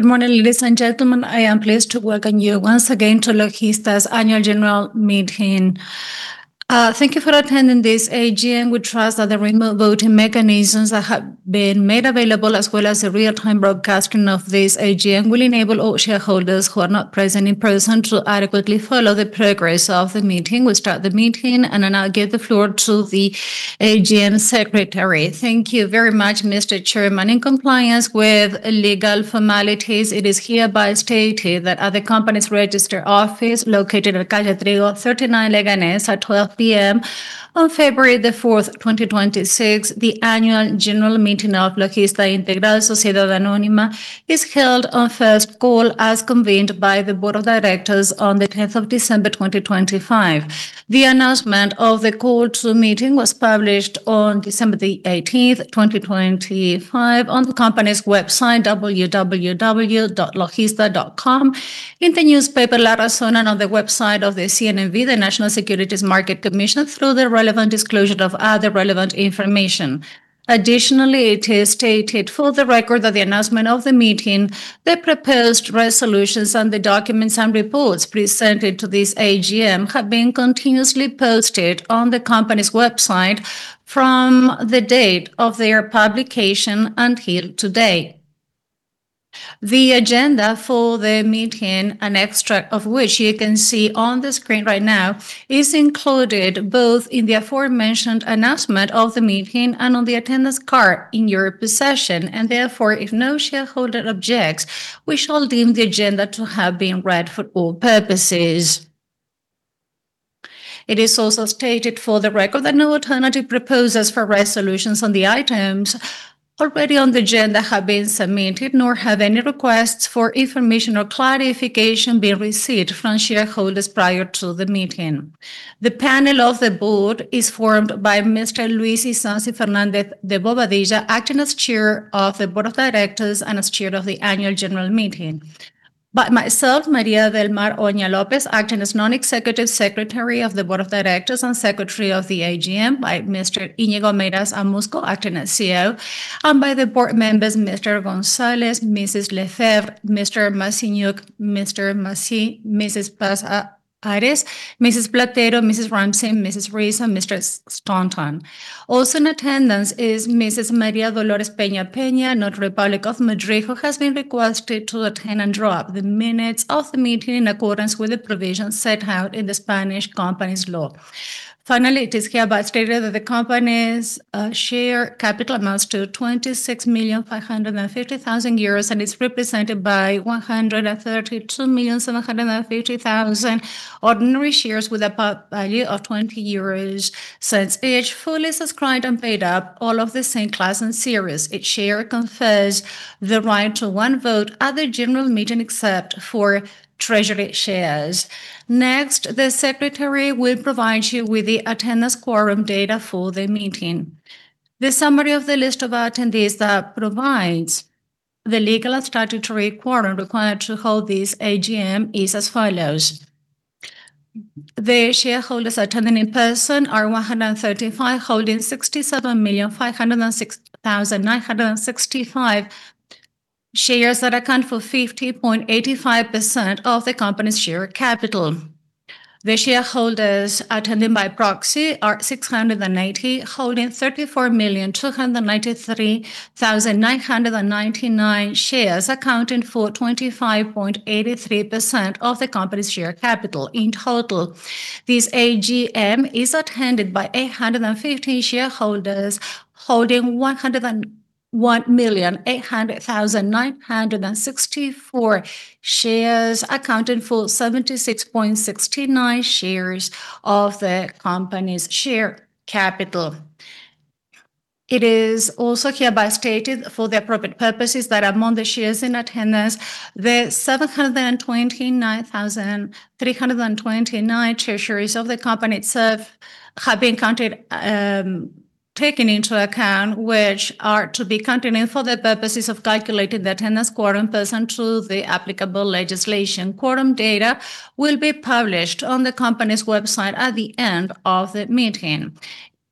Good morning, ladies and gentlemen. I am pleased to welcome you once again to Logista's annual general meeting. Thank you for attending this AGM. We trust that the remote voting mechanisms that have been made available, as well as the real-time broadcasting of this AGM, will enable all shareholders who are not present in person to adequately follow the progress of the meeting. We'll start the meeting and I'll give the floor to the AGM secretary. Thank you very much, Mr. Chairman. In compliance with legal formalities, it is hereby stated that at the company's registered office located at Calle Trigo, 39, Leganés, at 12:00 P.M. on February the 4th, 2026, the annual general meeting of Logista Integral Sociedad Anónima is held on first call as convened by the Board of Directors on the 10th of December, 2025. The announcement of the call to meeting was published on December the 18th, 2025, on the company's website, www.logista.com, in the newspaper La Razón, and on the website of the CNMV, the National Securities Market Commission, through the relevant disclosure of other relevant information. Additionally, it is stated for the record that the announcement of the meeting, the proposed resolutions, and the documents and reports presented to this AGM have been continuously posted on the company's website from the date of their publication until today. The agenda for the meeting, an extract of which you can see on the screen right now, is included both in the aforementioned announcement of the meeting and on the attendance card in your possession, and therefore, if no shareholder objects, we shall deem the agenda to have been read for all purposes. It is also stated for the record that no alternative proposals for resolutions on the items already on the agenda have been submitted, nor have any requests for information or clarification been received from shareholders prior to the meeting. The panel of the board is formed by Mr. Luis Isasi Fernández de Bobadilla, acting as chair of the Board of Directors and as chair of the annual general meeting, by myself, María del Mar Oña López, acting as non-executive secretary of the Board of Directors and secretary of the AGM, by Mr. Íñigo Meirás Amusco, acting as CEO, and by the board members, Mr. González, Mrs. Lefèvre, Mr. Massignac, Mr. Massie, Mrs. Paz-Ares, Mrs. Platero, Mrs. Ramsey, Mrs. Reese, and Mr. Stanton. Also in attendance is Mrs. María Dolores Peña Peña, notary public of Madrid, who has been requested to attend and draw up the minutes of the meeting in accordance with the provisions set out in the Spanish Companies Law. Finally, it is hereby stated that the company's share capital amounts to 26,550,000 euros and is represented by 132,750,000 ordinary shares with a par value of 0.20 euros. Since each fully subscribed and paid up all of the same class and series, each share confers the right to one vote at the general meeting except for treasury shares. Next, the secretary will provide you with the attendance quorum data for the meeting. The summary of the list of attendees that provides the legal and statutory quorum required to hold this AGM is as follows. The shareholders attending in person are 135, holding 67,506,965 shares that account for 50.85% of the company's share capital. The shareholders attending by proxy are 680, holding 34,293,999 shares, accounting for 25.83% of the company's share capital. In total, this AGM is attended by 815 shareholders, holding 101,800,964 shares, accounting for 76.69% of the company's share capital. It is also hereby stated for the appropriate purposes that among the shares in attendance, the 729,329 Treasury Shares of the company itself have been counted, taken into account, which are to be counted in for the purposes of calculating the attendance quorum in person to the applicable legislation. Quorum data will be published on the company's website at the end of the meeting.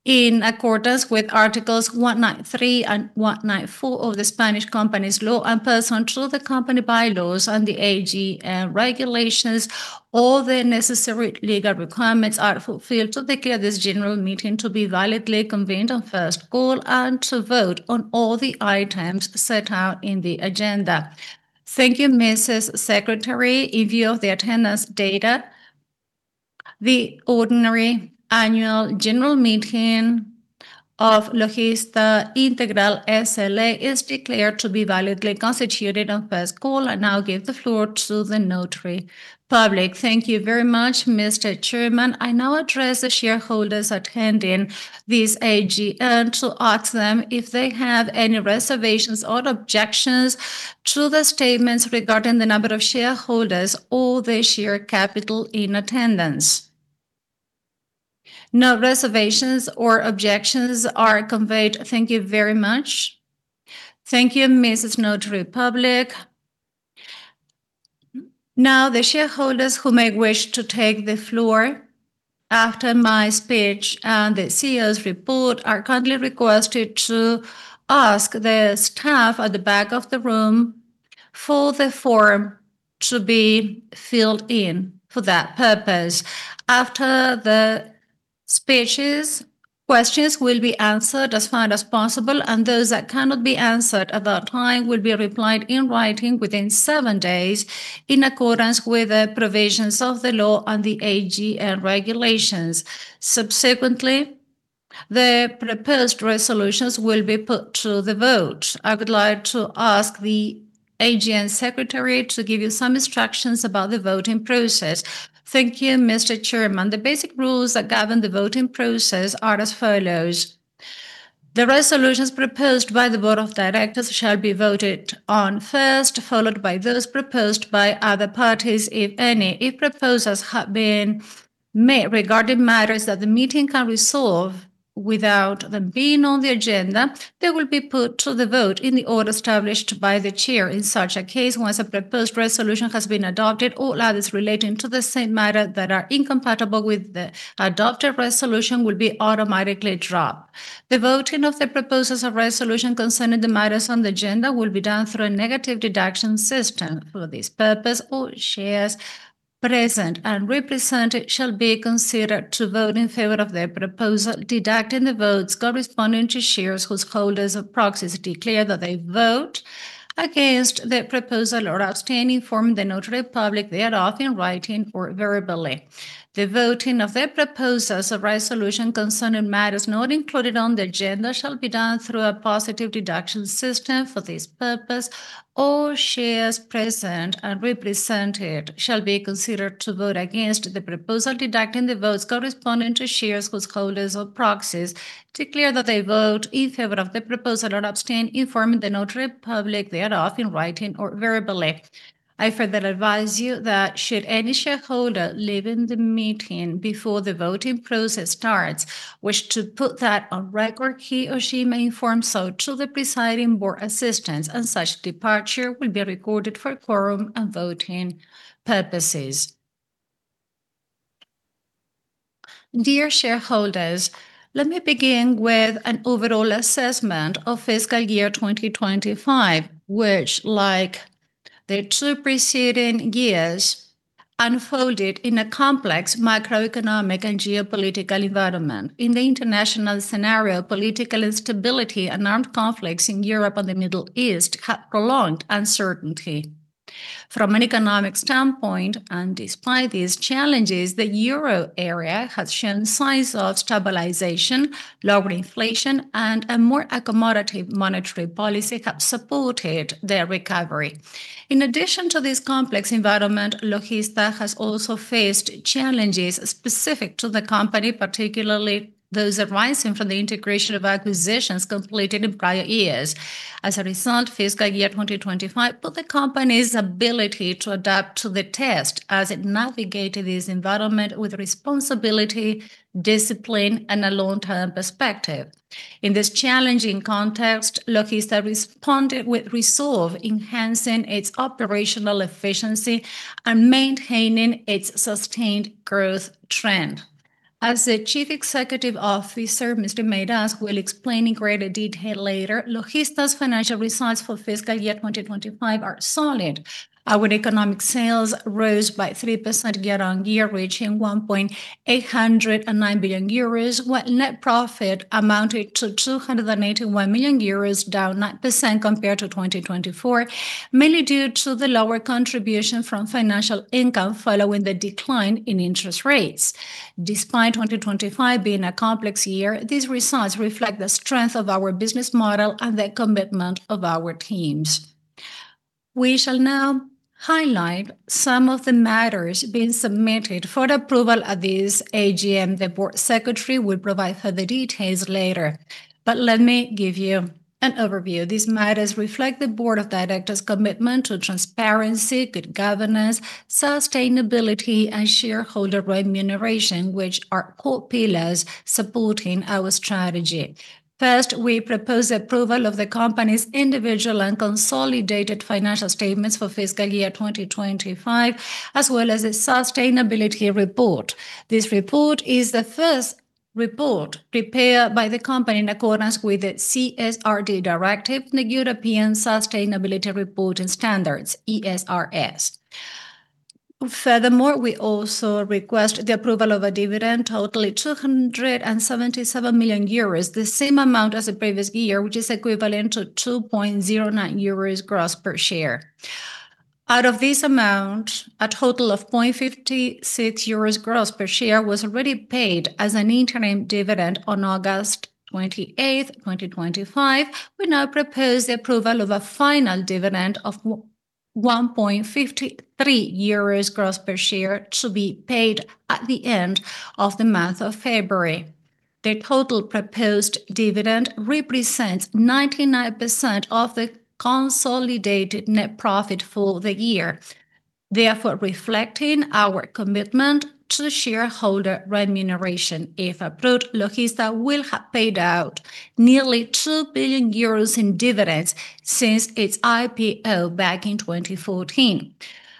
In accordance with Articles 193 and 194 of the Spanish Companies Law pursuant to the company bylaws and the AGM regulations, all the necessary legal requirements are fulfilled to declare this general meeting to be validly convened on first call and to vote on all the items set out in the agenda. Thank you, Mrs. Secretary. In view of the attendance data, the ordinary annual general meeting of Logista Integral, S.A. is declared to be validly constituted on first call and now give the floor to the notary public. Thank you very much, Mr. Chairman. I now address the shareholders attending this AGM to ask them if they have any reservations or objections to the statements regarding the number of shareholders or the share capital in attendance. No reservations or objections are conveyed. Thank you very much. Thank you, Mrs. Notary Public. Now, the shareholders who may wish to take the floor after my speech and the CEO's report are kindly requested to ask the staff at the back of the room for the form to be filled in for that purpose. After the speeches, questions will be answered as fast as possible, and those that cannot be answered at that time will be replied in writing within seven days in accordance with the provisions of the law and the AGM regulations. Subsequently, the proposed resolutions will be put to the vote. I would like to ask the AGM secretary to give you some instructions about the voting process. Thank you, Mr. Chairman. The basic rules that govern the voting process are as follows. The resolutions proposed by the Board of Directors shall be voted on first, followed by those proposed by other parties, if any. If proposals have been made regarding matters that the meeting can resolve without them being on the agenda, they will be put to the vote in the order established by the chair. In such a case, once a proposed resolution has been adopted, all others relating to the same matter that are incompatible with the adopted resolution will be automatically dropped. The voting of the proposals of resolution concerning the matters on the agenda will be done through a negative deduction system. For this purpose, all shares present and represented shall be considered to vote in favor of their proposal, deducting the votes corresponding to shares whose holders or proxies declare that they vote against their proposal or abstain, informing the notary public thereof in writing or verbally. The voting of the proposals of resolution concerning matters not included on the agenda shall be done through a positive deduction system. For this purpose, all shares present and represented shall be considered to vote against the proposal, deducting the votes corresponding to shares whose holders or proxies declare that they vote in favor of their proposal or abstain, informing the notary public thereof in writing or verbally. I further advise you that should any shareholder leaving the meeting before the voting process starts wish to put that on record, he or she may inform so to the presiding board assistants, and such departure will be recorded for quorum and voting purposes. Dear shareholders, let me begin with an overall assessment of fiscal year 2025, which, like the two preceding years, unfolded in a complex macroeconomic and geopolitical environment. In the international scenario, political instability and armed conflicts in Europe and the Middle East have prolonged uncertainty. From an economic standpoint, and despite these challenges, the euro area has shown signs of stabilization. Lower inflation, and a more accommodative monetary policy have supported their recovery. In addition to this complex environment, Logista has also faced challenges specific to the company, particularly those arising from the integration of acquisitions completed in prior years. As a result, fiscal year 2025 put the company's ability to adapt to the test as it navigated this environment with responsibility, discipline, and a long-term perspective. In this challenging context, Logista responded with resolve, enhancing its operational efficiency and maintaining its sustained growth trend. As the Chief Executive Officer, Mr. Meirás, will explain in greater detail later, Logista's financial results for fiscal year 2025 are solid. Our economic sales rose by 3% year-on-year, reaching 1.809 billion euros, while net profit amounted to 281 million euros, down 9% compared to 2024, mainly due to the lower contribution from financial income following the decline in interest rates. Despite 2025 being a complex year, these results reflect the strength of our business model and the commitment of our teams. We shall now highlight some of the matters being submitted for approval at this AGM. The board secretary will provide further details later, but let me give you an overview. These matters reflect the board of directors' commitment to transparency, good governance, sustainability, and shareholder remuneration, which are core pillars supporting our strategy. First, we propose approval of the company's individual and consolidated financial statements for fiscal year 2025, as well as a sustainability report. This report is the first report prepared by the company in accordance with the CSRD directive, the European Sustainability Reporting Standards, ESRS. Furthermore, we also request the approval of a dividend, totally 277 million euros, the same amount as the previous year, which is equivalent to 2.09 euros gross per share. Out of this amount, a total of 0.56 euros gross per share was already paid as an interim dividend on August 28th, 2025. We now propose the approval of a final dividend of 1.53 euros gross per share to be paid at the end of the month of February. The total proposed dividend represents 99% of the consolidated net profit for the year, therefore reflecting our commitment to shareholder remuneration. If approved, Logista will have paid out nearly 2 billion euros in dividends since its IPO back in 2014.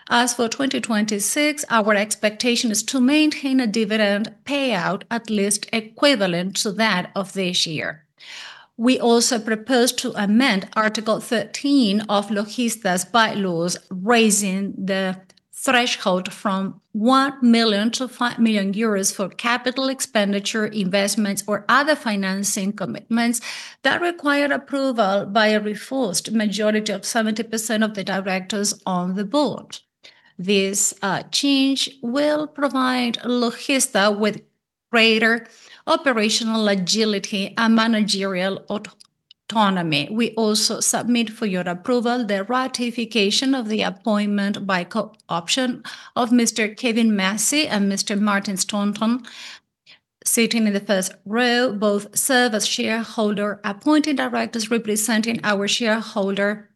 As for 2026, our expectation is to maintain a dividend payout at least equivalent to that of this year. We also propose to amend Article 13 of Logista's bylaws, raising the threshold from 1 million-5 million euros for capital expenditure, investments, or other financing commitments that require approval by a reinforced majority of 70% of the directors on the board. This change will provide Logista with greater operational agility and managerial autonomy. We also submit for your approval the ratification of the appointment by co-option of Mr. Kevin Massie and Mr. Martin Stanton sitting in the first row, both serve as shareholder-appointed directors representing our shareholder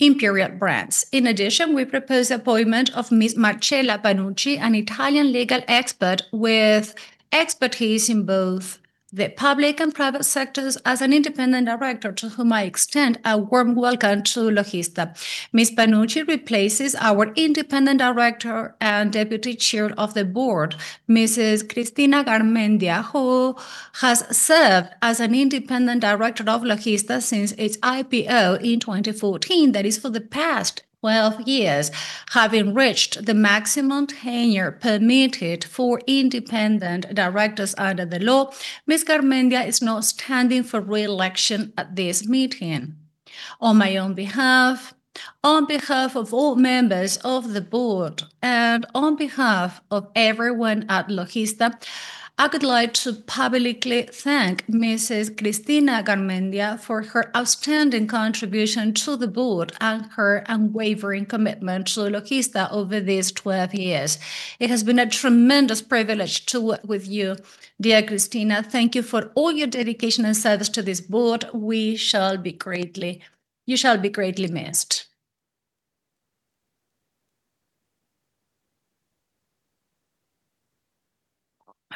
Imperial Brands. In addition, we propose the appointment of Ms. Marcella Panucci, an Italian legal expert with expertise in both the public and private sectors, as an independent director to whom I extend a warm welcome to Logista. Ms. Panucci replaces our independent director and deputy chair of the board, Mrs. Cristina Garmendia, who has served as an independent director of Logista since its IPO in 2014. That is, for the past 12 years, having reached the maximum tenure permitted for independent directors under the law, Ms. Garmendia is now standing for reelection at this meeting. On my own behalf, on behalf of all members of the board, and on behalf of everyone at Logista, I would like to publicly thank Mrs. Cristina Garmendia for her outstanding contribution to the board and her unwavering commitment to Logista over these 12 years. It has been a tremendous privilege to work with you, dear Cristina. Thank you for all your dedication and service to this board. We shall be greatly you shall be greatly missed.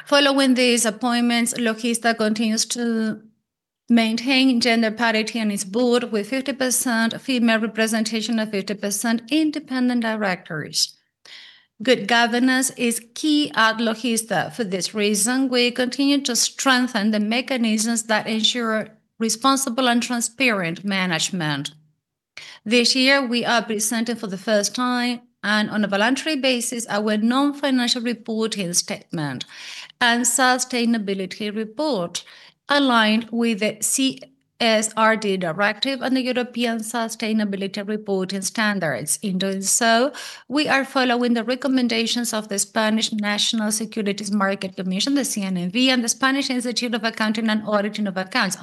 Following these appointments, Logista continues to maintain gender parity in its board, with 50% female representation and 50% independent directors. Good governance is key at Logista. For this reason, we continue to strengthen the mechanisms that ensure responsible and transparent management. This year, we are presenting for the first time and on a voluntary basis our non-financial reporting statement and sustainability report aligned with the CSRD directive and the European Sustainability Reporting Standards. In doing so, we are following the recommendations of the Spanish National Securities Market Commission, the CNMV, and the Spanish Institute of Accounting and Auditing of Accounts,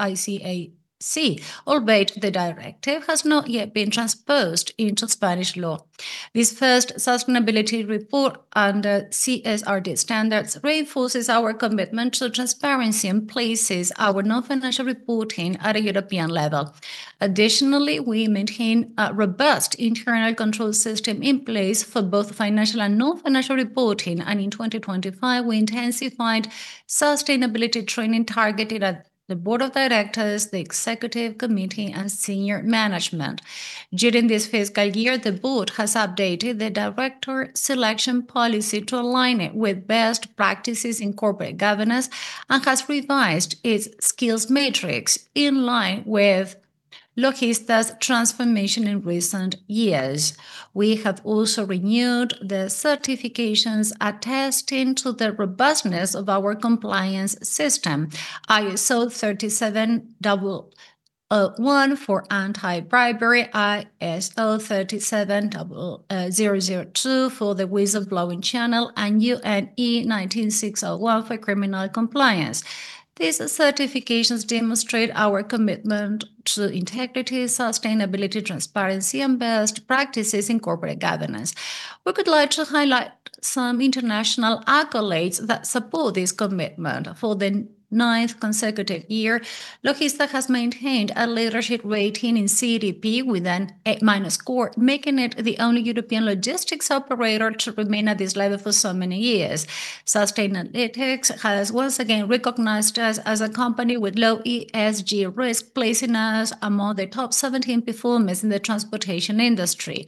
ICAC, albeit the directive has not yet been transposed into Spanish law. This first sustainability report under CSRD standards reinforces our commitment to transparency and places our non-financial reporting at a European level. Additionally, we maintain a robust internal control system in place for both financial and non-financial reporting, and in 2025, we intensified sustainability training targeted at the board of directors, the executive committee, and senior management. During this fiscal year, the board has updated the director selection policy to align it with best practices in corporate governance and has revised its skills matrix in line with Logista's transformation in recent years. We have also renewed the certifications attesting to the robustness of our compliance system, ISO 37001 for anti-bribery, ISO 37002 for the whistleblowing channel, and UNE 19601 for criminal compliance. These certifications demonstrate our commitment to integrity, sustainability, transparency, and best practices in corporate governance. We would like to highlight some international accolades that support this commitment. For the ninth consecutive year, Logista has maintained a leadership rating in CDP with an A-minus score, making it the only European logistics operator to remain at this level for so many years. Sustainalytics has once again recognized us as a company with low ESG risk, placing us among the top 17 performers in the transportation industry.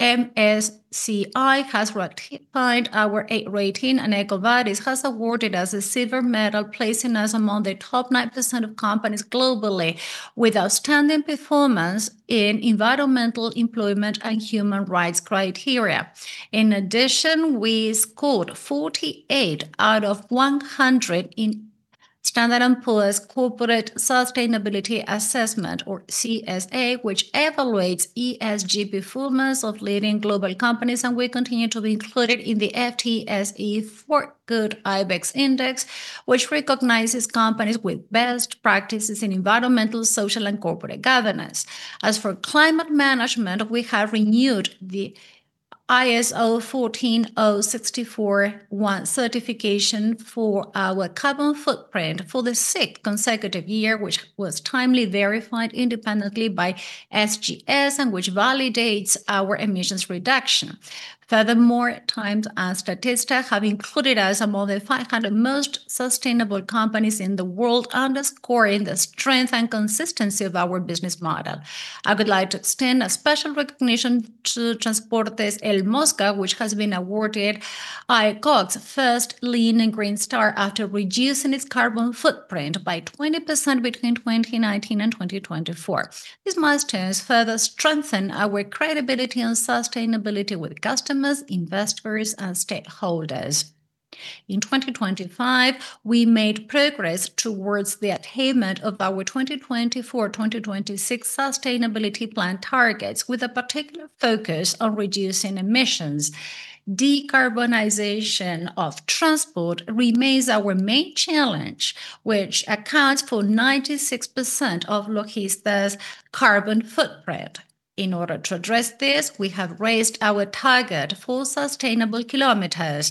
MSCI has ratified our A rating, and EcoVadis has awarded us a silver medal, placing us among the top 9% of companies globally with outstanding performance in environmental employment and human rights criteria. In addition, we scored 48 out of 100 in Standard and Poor's Corporate Sustainability Assessment, or CSA, which evaluates ESG performance of leading global companies, and we continue to be included in the FTSE4Good IBEX index, which recognizes companies with best practices in environmental, social, and corporate governance. As for climate management, we have renewed the ISO 14064-1 certification for our carbon footprint for the sixth consecutive year, which was timely verified independently by SGS and which validates our emissions reduction. Furthermore, Time and Statista have included us among the 500 most sustainable companies in the world, underscoring the strength and consistency of our business model. I would like to extend a special recognition to Transportes El Mosca, which has been awarded AECOC's first Lean & Green Star after reducing its carbon footprint by 20% between 2019 and 2024. These milestones further strengthen our credibility and sustainability with customers, investors, and stakeholders. In 2025, we made progress towards the attainment of our 2024-2026 sustainability plan targets, with a particular focus on reducing emissions. Decarbonization of transport remains our main challenge, which accounts for 96% of Logista's carbon footprint. In order to address this, we have raised our target for sustainable kilometers,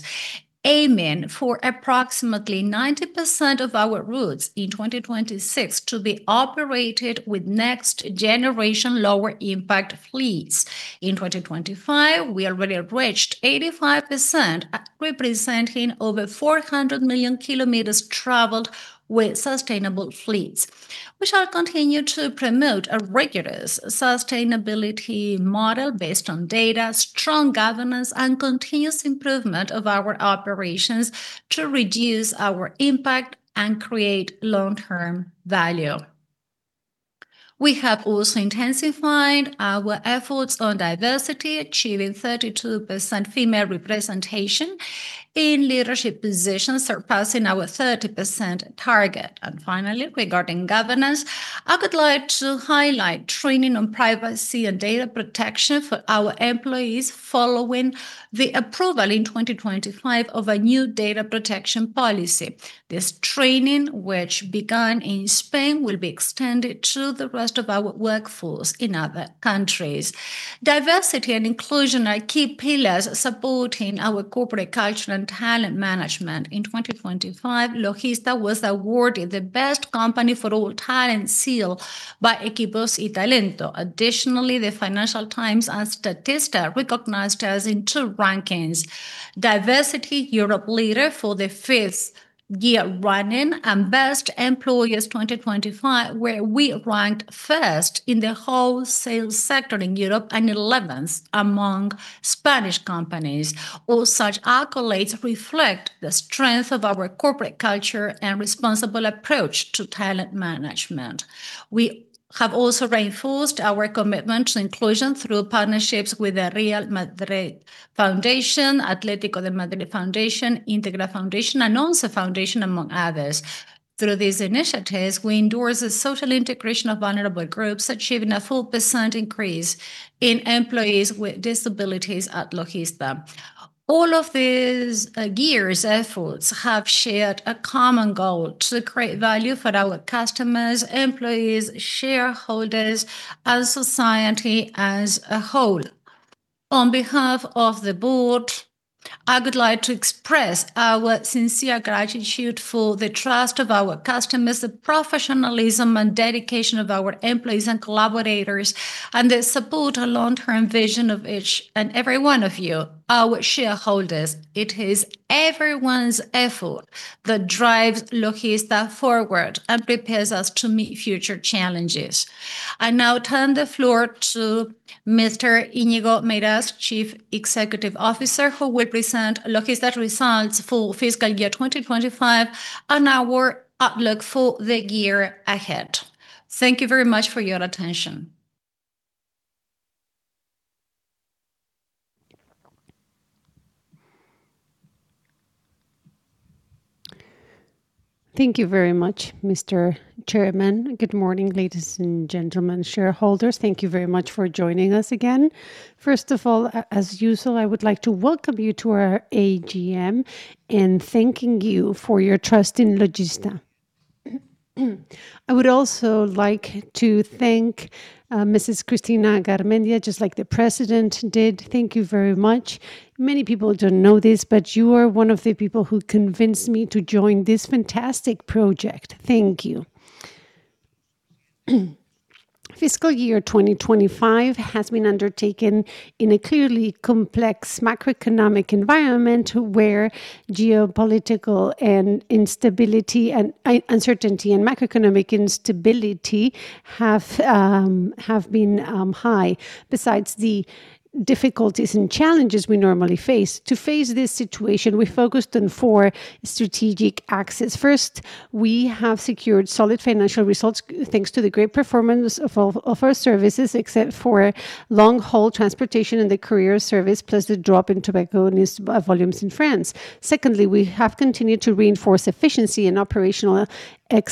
aiming for approximately 90% of our routes in 2026 to be operated with next-generation lower-impact fleets. In 2025, we already reached 85%, representing over 400 million kilometers traveled with sustainable fleets. We shall continue to promote a rigorous sustainability model based on data, strong governance, and continuous improvement of our operations to reduce our impact and create long-term value. We have also intensified our efforts on diversity, achieving 32% female representation in leadership positions, surpassing our 30% target. And finally, regarding governance, I would like to highlight training on privacy and data protection for our employees following the approval in 2025 of a new data protection policy. This training, which began in Spain, will be extended to the rest of our workforce in other countries. Diversity and inclusion are key pillars supporting our corporate culture and talent management. In 2025, Logista was awarded the Best Company for All-Talent seal by Equipos y Talento. Additionally, the Financial Times and Statista recognized us in two rankings: Diversity Europe Leader for the fifth year running and Best Employers 2025, where we ranked first in the wholesale sector in Europe and eleventh among Spanish companies. All such accolades reflect the strength of our corporate culture and responsible approach to talent management. We have also reinforced our commitment to inclusion through partnerships with the Real Madrid Foundation, Atlético de Madrid Foundation, Integra Foundation, and ONCE Foundation, among others. Through these initiatives, we endorse the social integration of vulnerable groups, achieving a full percent increase in employees with disabilities at Logista. All of these years' efforts have shared a common goal: to create value for our customers, employees, shareholders, and society as a whole. On behalf of the board, I would like to express our sincere gratitude for the trust of our customers, the professionalism and dedication of our employees and collaborators, and the support and long-term vision of each and every one of you, our shareholders. It is everyone's effort that drives Logista forward and prepares us to meet future challenges. I now turn the floor to Mr. Íñigo Meirás, Chief Executive Officer, who will present Logista's results for fiscal year 2025 and our outlook for the year ahead. Thank you very much for your attention. Thank you very much, Mr. Chairman. Good morning, ladies and gentlemen, shareholders. Thank you very much for joining us again. First of all, as usual, I would like to welcome you to our AGM and thank you for your trust in Logista. I would also like to thank Mrs. Cristina Garmendia, just like the president did. Thank you very much. Many people don't know this, but you are one of the people who convinced me to join this fantastic project. Thank you. Fiscal year 2025 has been undertaken in a clearly complex macroeconomic environment where geopolitical instability and uncertainty and macroeconomic instability have been high. Besides the difficulties and challenges we normally face, to face this situation, we focused on four strategic axes. First, we have secured solid financial results thanks to the great performance of our services, except for long-haul transportation and the courier service, plus the drop in tobacco volumes in France. Secondly, we have continued to reinforce efficiency and operational excellence. We've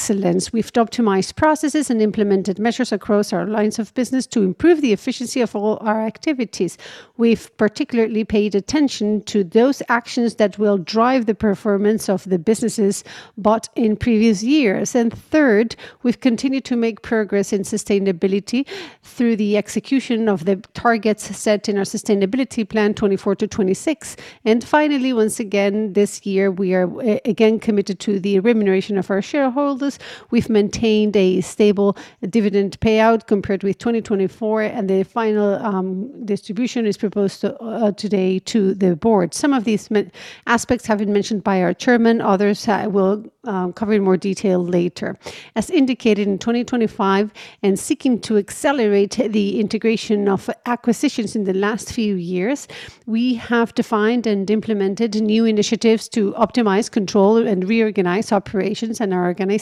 optimized processes and implemented measures across our lines of business to improve the efficiency of all our activities. We've particularly paid attention to those actions that will drive the performance of the businesses bought in previous years. And third, we've continued to make progress in sustainability through the execution of the targets set in our sustainability plan 2024-2026. And finally, once again this year, we are again committed to the remuneration of our shareholders. We've maintained a stable dividend payout compared with 2024, and the final distribution is proposed today to the board. Some of these aspects have been mentioned by our chairman. Others will cover in more detail later. As indicated in 2025, and seeking to accelerate the integration of acquisitions in the last few years, we have defined and implemented new initiatives to optimize control and reorganize operations and our organization.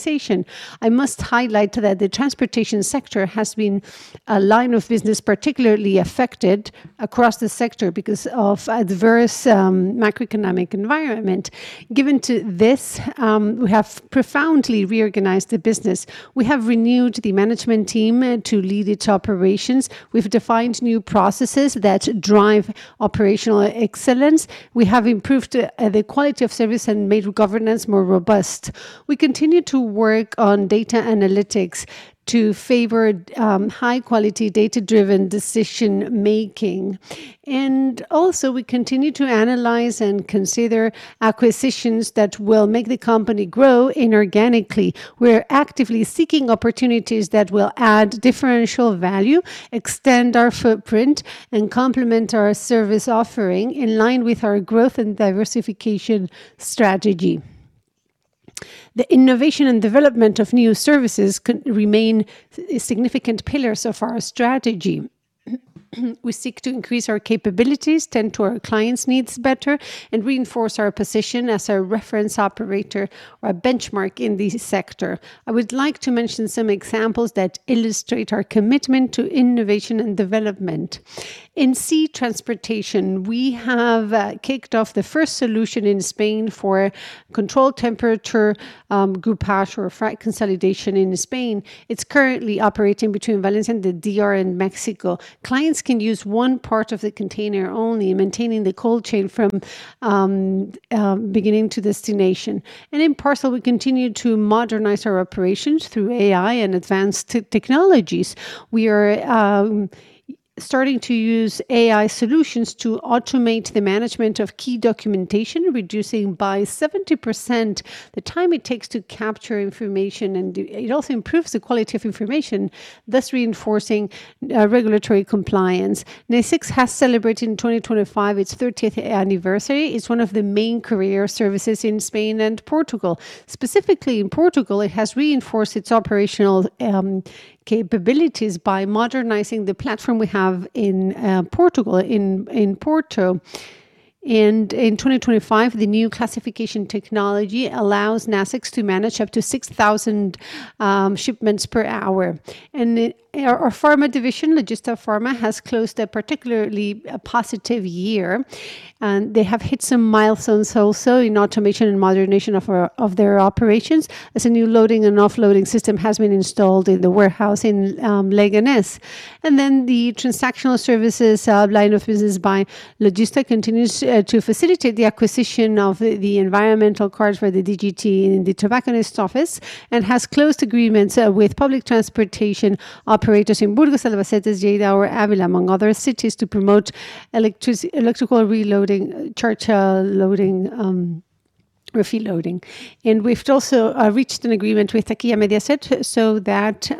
I must highlight that the transportation sector has been a line of business particularly affected across the sector because of the various macroeconomic environments. Given this, we have profoundly reorganized the business. We have renewed the management team to lead its operations. We've defined new processes that drive operational excellence. We have improved the quality of service and made governance more robust. We continue to work on data analytics to favor high-quality, data-driven decision-making. Also, we continue to analyze and consider acquisitions that will make the company grow inorganically. We're actively seeking opportunities that will add differential value, extend our footprint, and complement our service offering in line with our growth and diversification strategy. The innovation and development of new services remain significant pillars of our strategy. We seek to increase our capabilities, tend to our clients' needs better, and reinforce our position as a reference operator or a benchmark in this sector. I would like to mention some examples that illustrate our commitment to innovation and development. In sea transportation, we have kicked off the first solution in Spain for control temperature groupage or freight consolidation in Spain. It's currently operating between Valencia and the DR in Mexico. Clients can use one part of the container only, maintaining the cold chain from beginning to destination. In parcel, we continue to modernize our operations through AI and advanced technologies. We are starting to use AI solutions to automate the management of key documentation, reducing by 70% the time it takes to capture information. It also improves the quality of information, thus reinforcing regulatory compliance. Nacex has celebrated in 2025 its 30th anniversary. It's one of the main courier services in Spain and Portugal. Specifically in Portugal, it has reinforced its operational capabilities by modernizing the platform we have in Portugal, in Porto. And in 2025, the new classification technology allows Nacex to manage up to 6,000 shipments per hour. And our pharma division, Logista Pharma, has closed a particularly positive year. And they have hit some milestones also in automation and modernization of their operations, as a new loading and offloading system has been installed in the warehouse in Leganés. And then the transactional services line of business by Logista continues to facilitate the acquisition of the environmental cards for the DGT in the estancos office and has closed agreements with public transportation operators in Burgos, San Vicente del Raspeig, Lleida, or Ávila, among other cities, to promote electrical reloading, charge loading, refill loading. We've also reached an agreement with Taquilla Mediaset so that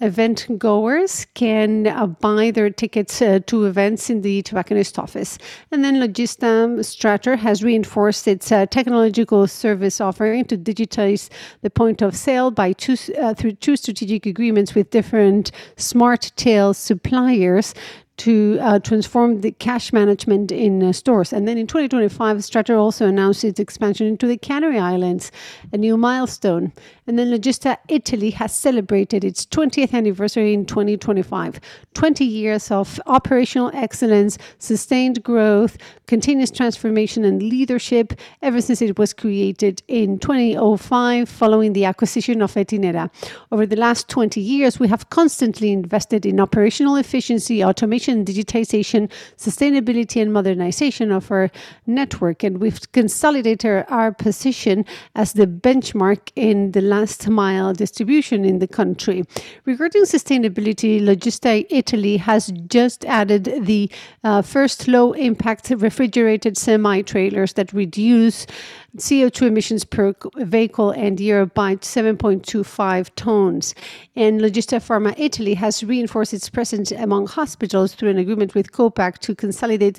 eventgoers can buy their tickets to events in the estanco office. Logista Strator has reinforced its technological service offering to digitize the point of sale through two strategic agreements with different Smart Retail suppliers to transform the cash management in stores. In 2025, Strator also announced its expansion into the Canary Islands, a new milestone. Logista Italy has celebrated its 20th anniversary in 2025, 20 years of operational excellence, sustained growth, continuous transformation, and leadership ever since it was created in 2005 following the acquisition of ETI. Over the last 20 years, we have constantly invested in operational efficiency, automation, digitization, sustainability, and modernization of our network. We've consolidated our position as the benchmark in the last-mile distribution in the country. Regarding sustainability, Logista Italy has just added the first low-impact refrigerated semi-trailers that reduce CO2 emissions per vehicle and year by 7.25 tons. Logista Pharma Italy has reinforced its presence among hospitals through an agreement with Copag to consolidate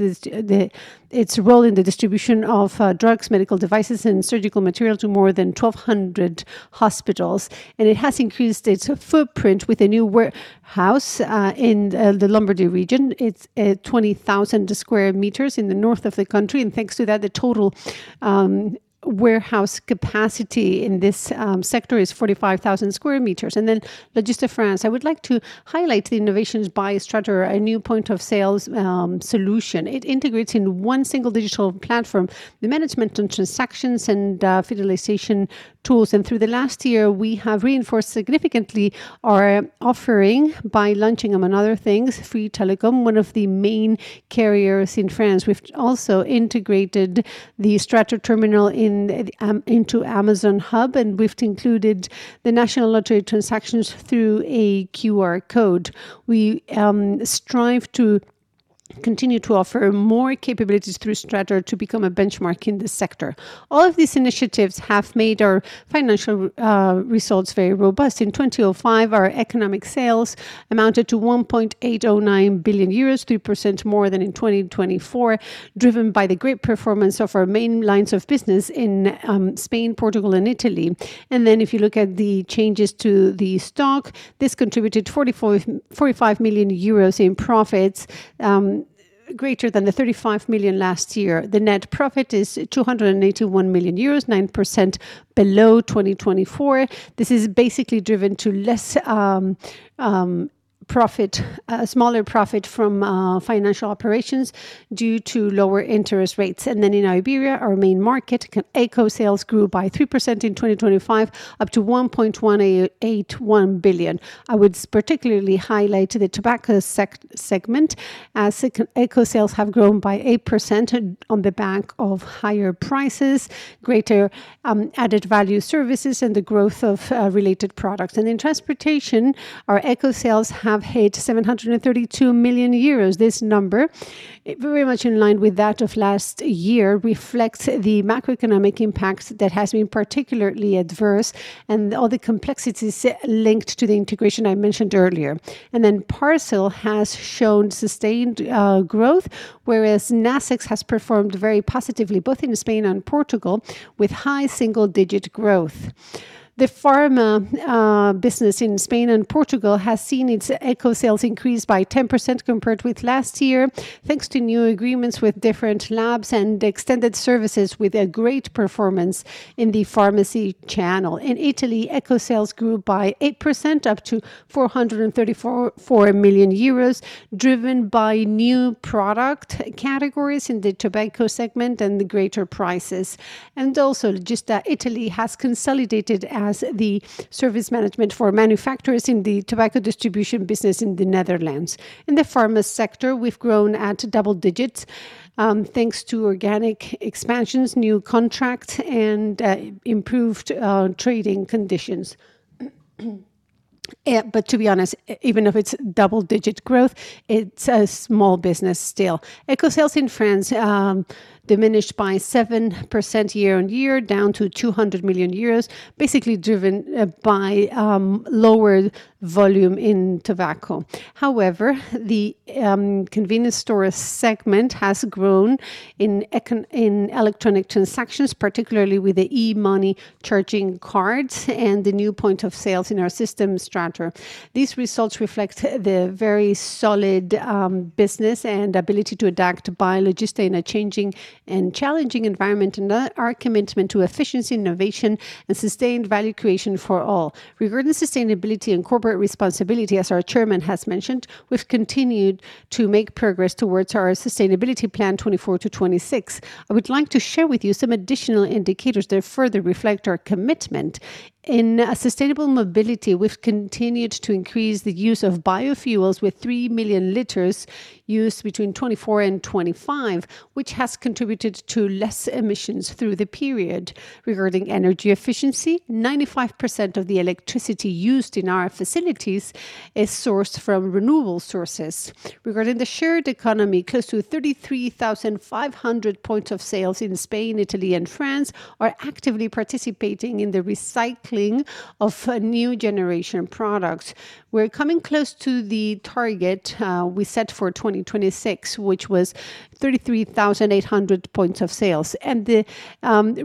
its role in the distribution of drugs, medical devices, and surgical material to more than 1,200 hospitals. It has increased its footprint with a new warehouse in the Lombardy region. It's 20,000 square meters in the north of the country. Thanks to that, the total warehouse capacity in this sector is 45,000 square meters. Logista France, I would like to highlight the innovations by Strator, a new point-of-sale solution. It integrates in one single digital platform the management and transactions and fidelization tools. Through the last year, we have reinforced significantly our offering by launching, among other things, Free Telecom, one of the main carriers in France. We've also integrated the Strator terminal into Amazon Hub, and we've included the national lottery transactions through a QR code. We strive to continue to offer more capabilities through Strator to become a benchmark in this sector. All of these initiatives have made our financial results very robust. In 2023, our economic sales amounted to 1.809 billion euros, 3% more than in 2024, driven by the great performance of our main lines of business in Spain, Portugal, and Italy. If you look at the changes to the stock, this contributed 45 million euros in profits, greater than the 35 million last year. The net profit is 281 million euros, 9% below 2024. This is basically driven to less profit, smaller profit from financial operations due to lower interest rates. Then in Iberia, our main market, eco-sales grew by 3% in 2025, up to 1.181 billion. I would particularly highlight the tobacco segment, as eco-sales have grown by 8% on the back of higher prices, greater added value services, and the growth of related products. In transportation, our eco-sales have hit 732 million euros. This number, very much in line with that of last year, reflects the macroeconomic impacts that have been particularly adverse and all the complexities linked to the integration I mentioned earlier. Then parcel has shown sustained growth, whereas Nacex has performed very positively both in Spain and Portugal with high single-digit growth. The pharma business in Spain and Portugal has seen its Eco-sales increase by 10% compared with last year, thanks to new agreements with different labs and extended services with a great performance in the pharmacy channel. In Italy, Eco-sales grew by 8%, up to 434 million euros, driven by new product categories in the tobacco segment and the greater prices. Also, Logista Italy has consolidated as the service management for manufacturers in the tobacco distribution business in the Netherlands. In the pharma sector, we've grown at double digits, thanks to organic expansions, new contracts, and improved trading conditions. But to be honest, even if it's double-digit growth, it's a small business still. Eco-sales in France diminished by 7% year-on-year, down to 200 million euros, basically driven by lower volume in tobacco. However, the convenience store segment has grown in electronic transactions, particularly with the e-money charging cards and the new point of sales in our system, Strator. These results reflect the very solid business and ability to adapt by Logista in a changing and challenging environment and our commitment to efficiency, innovation, and sustained value creation for all. Regarding sustainability and corporate responsibility, as our chairman has mentioned, we've continued to make progress towards our sustainability plan 2024-2026. I would like to share with you some additional indicators that further reflect our commitment in sustainable mobility. We've continued to increase the use of biofuels with 3 million liters used between 2024 and 2025, which has contributed to less emissions through the period. Regarding energy efficiency, 95% of the electricity used in our facilities is sourced from renewable sources. Regarding the shared economy, close to 33,500 points of sales in Spain, Italy, and France are actively participating in the recycling of new generation products. We're coming close to the target we set for 2026, which was 33,800 points of sales. The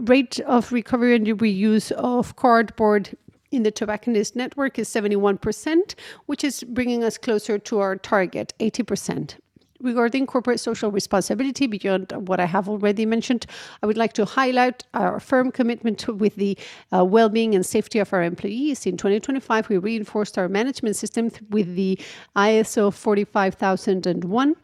rate of recovery and reuse of cardboard in the Tobacconist Network is 71%, which is bringing us closer to our target, 80%. Regarding corporate social responsibility, beyond what I have already mentioned, I would like to highlight our firm commitment with the well-being and safety of our employees. In 2025, we reinforced our management system with the ISO 45001,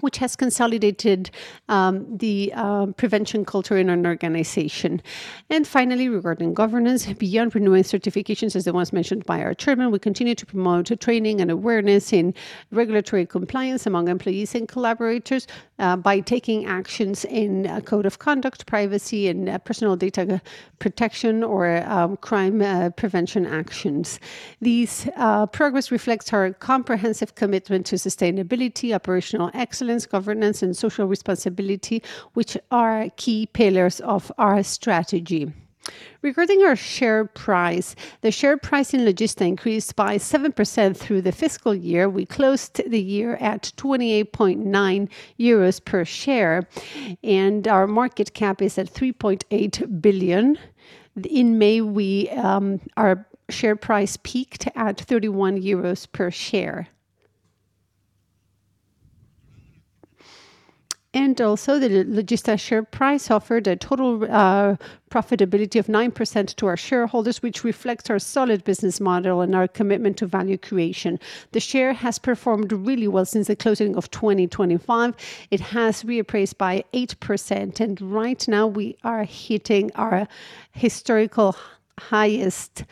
which has consolidated the prevention culture in our organization. And finally, regarding governance, beyond renewing certifications, as the ones mentioned by our chairman, we continue to promote training and awareness in regulatory compliance among employees and collaborators by taking actions in code of conduct, privacy, and personal data protection or crime prevention actions. This progress reflects our comprehensive commitment to sustainability, operational excellence, governance, and social responsibility, which are key pillars of our strategy. Regarding our share price, the share price in Logista increased by 7% through the fiscal year. We closed the year at 28.9 euros per share, and our market cap is at 3.8 billion. In May, our share price peaked at 31 euros per share. And also, the Logista share price offered a total profitability of 9% to our shareholders, which reflects our solid business model and our commitment to value creation. The share has performed really well since the closing of 2025. It has appreciated by 8%. Right now, we are hitting our historical highest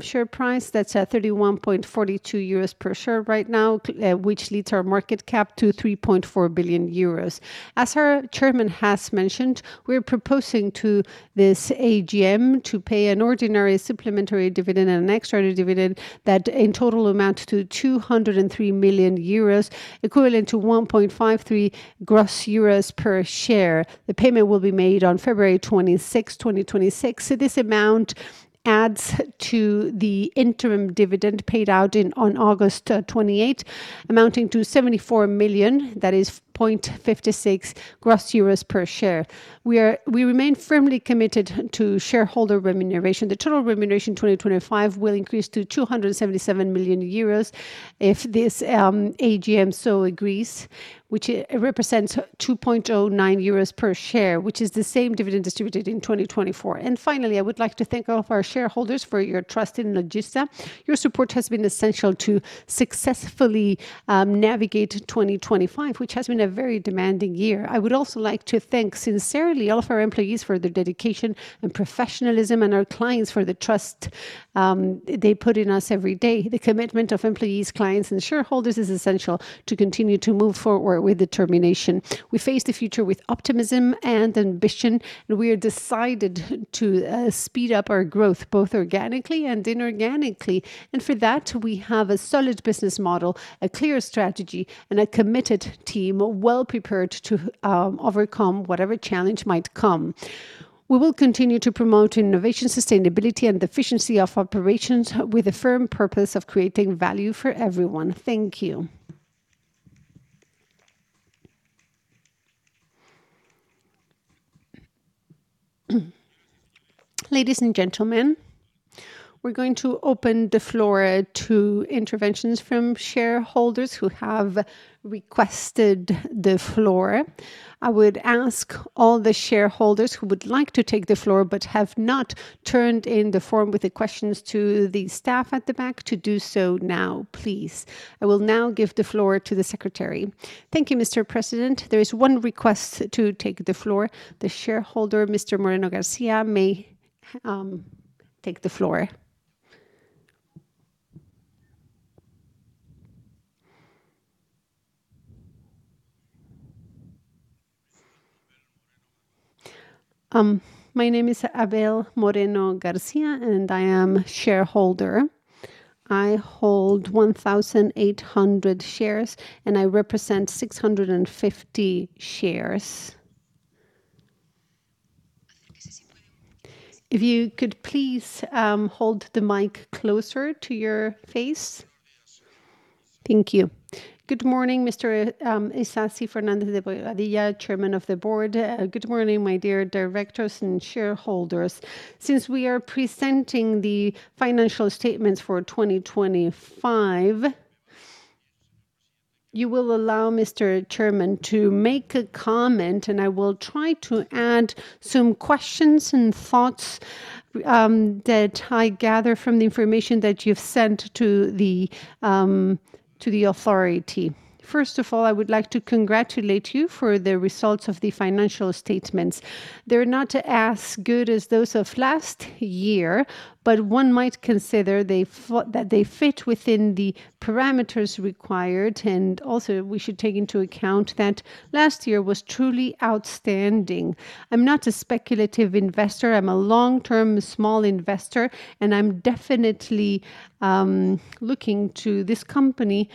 share price. That's at 31.42 euros per share right now, which leads our market cap to 3.4 billion euros. As our chairman has mentioned, we're proposing to this AGM to pay an ordinary supplementary dividend and an extraordinary dividend that in total amount to 203 million euros, equivalent to 1.53 euros gross per share. The payment will be made on February 26, 2026. So this amount adds to the interim dividend paid out on August 28, amounting to 74 million. That is 0.56 euros gross per share. We remain firmly committed to shareholder remuneration. The total remuneration 2025 will increase to 277 million euros if this AGM so agrees, which represents 2.09 euros per share, which is the same dividend distributed in 2024. Finally, I would like to thank all of our shareholders for your trust in Logista. Your support has been essential to successfully navigate 2025, which has been a very demanding year. I would also like to thank sincerely all of our employees for their dedication and professionalism and our clients for the trust they put in us every day. The commitment of employees, clients, and shareholders is essential to continue to move forward with determination. We face the future with optimism and ambition, and we are decided to speed up our growth both organically and inorganically. For that, we have a solid business model, a clear strategy, and a committed team well-prepared to overcome whatever challenge might come. We will continue to promote innovation, sustainability, and efficiency of operations with a firm purpose of creating value for everyone. Thank you. Ladies and gentlemen, we're going to open the floor to interventions from shareholders who have requested the floor. I would ask all the shareholders who would like to take the floor but have not turned in the form with the questions to the staff at the back to do so now, please. I will now give the floor to the secretary. Thank you, Mr. President. There is one request to take the floor. The shareholder, Mr. Moreno García, may take the floor. My name is Abel Moreno García, and I am a shareholder. I hold 1,800 shares, and I represent 650 shares. If you could please hold the mic closer to your face. Thank you. Good morning, Mr. Isasi Fernández de Bobadilla, Chairman of the Board. Good morning, my dear directors and shareholders. Since we are presenting the financial statements for 2025, you will allow Mr. Chairman, to make a comment, and I will try to add some questions and thoughts that I gather from the information that you've sent to the authority. First of all, I would like to congratulate you for the results of the financial statements. They're not as good as those of last year, but one might consider that they fit within the parameters required. Also, we should take into account that last year was truly outstanding. I'm not a speculative investor. I'm a long-term small investor, and I'm definitely looking to this company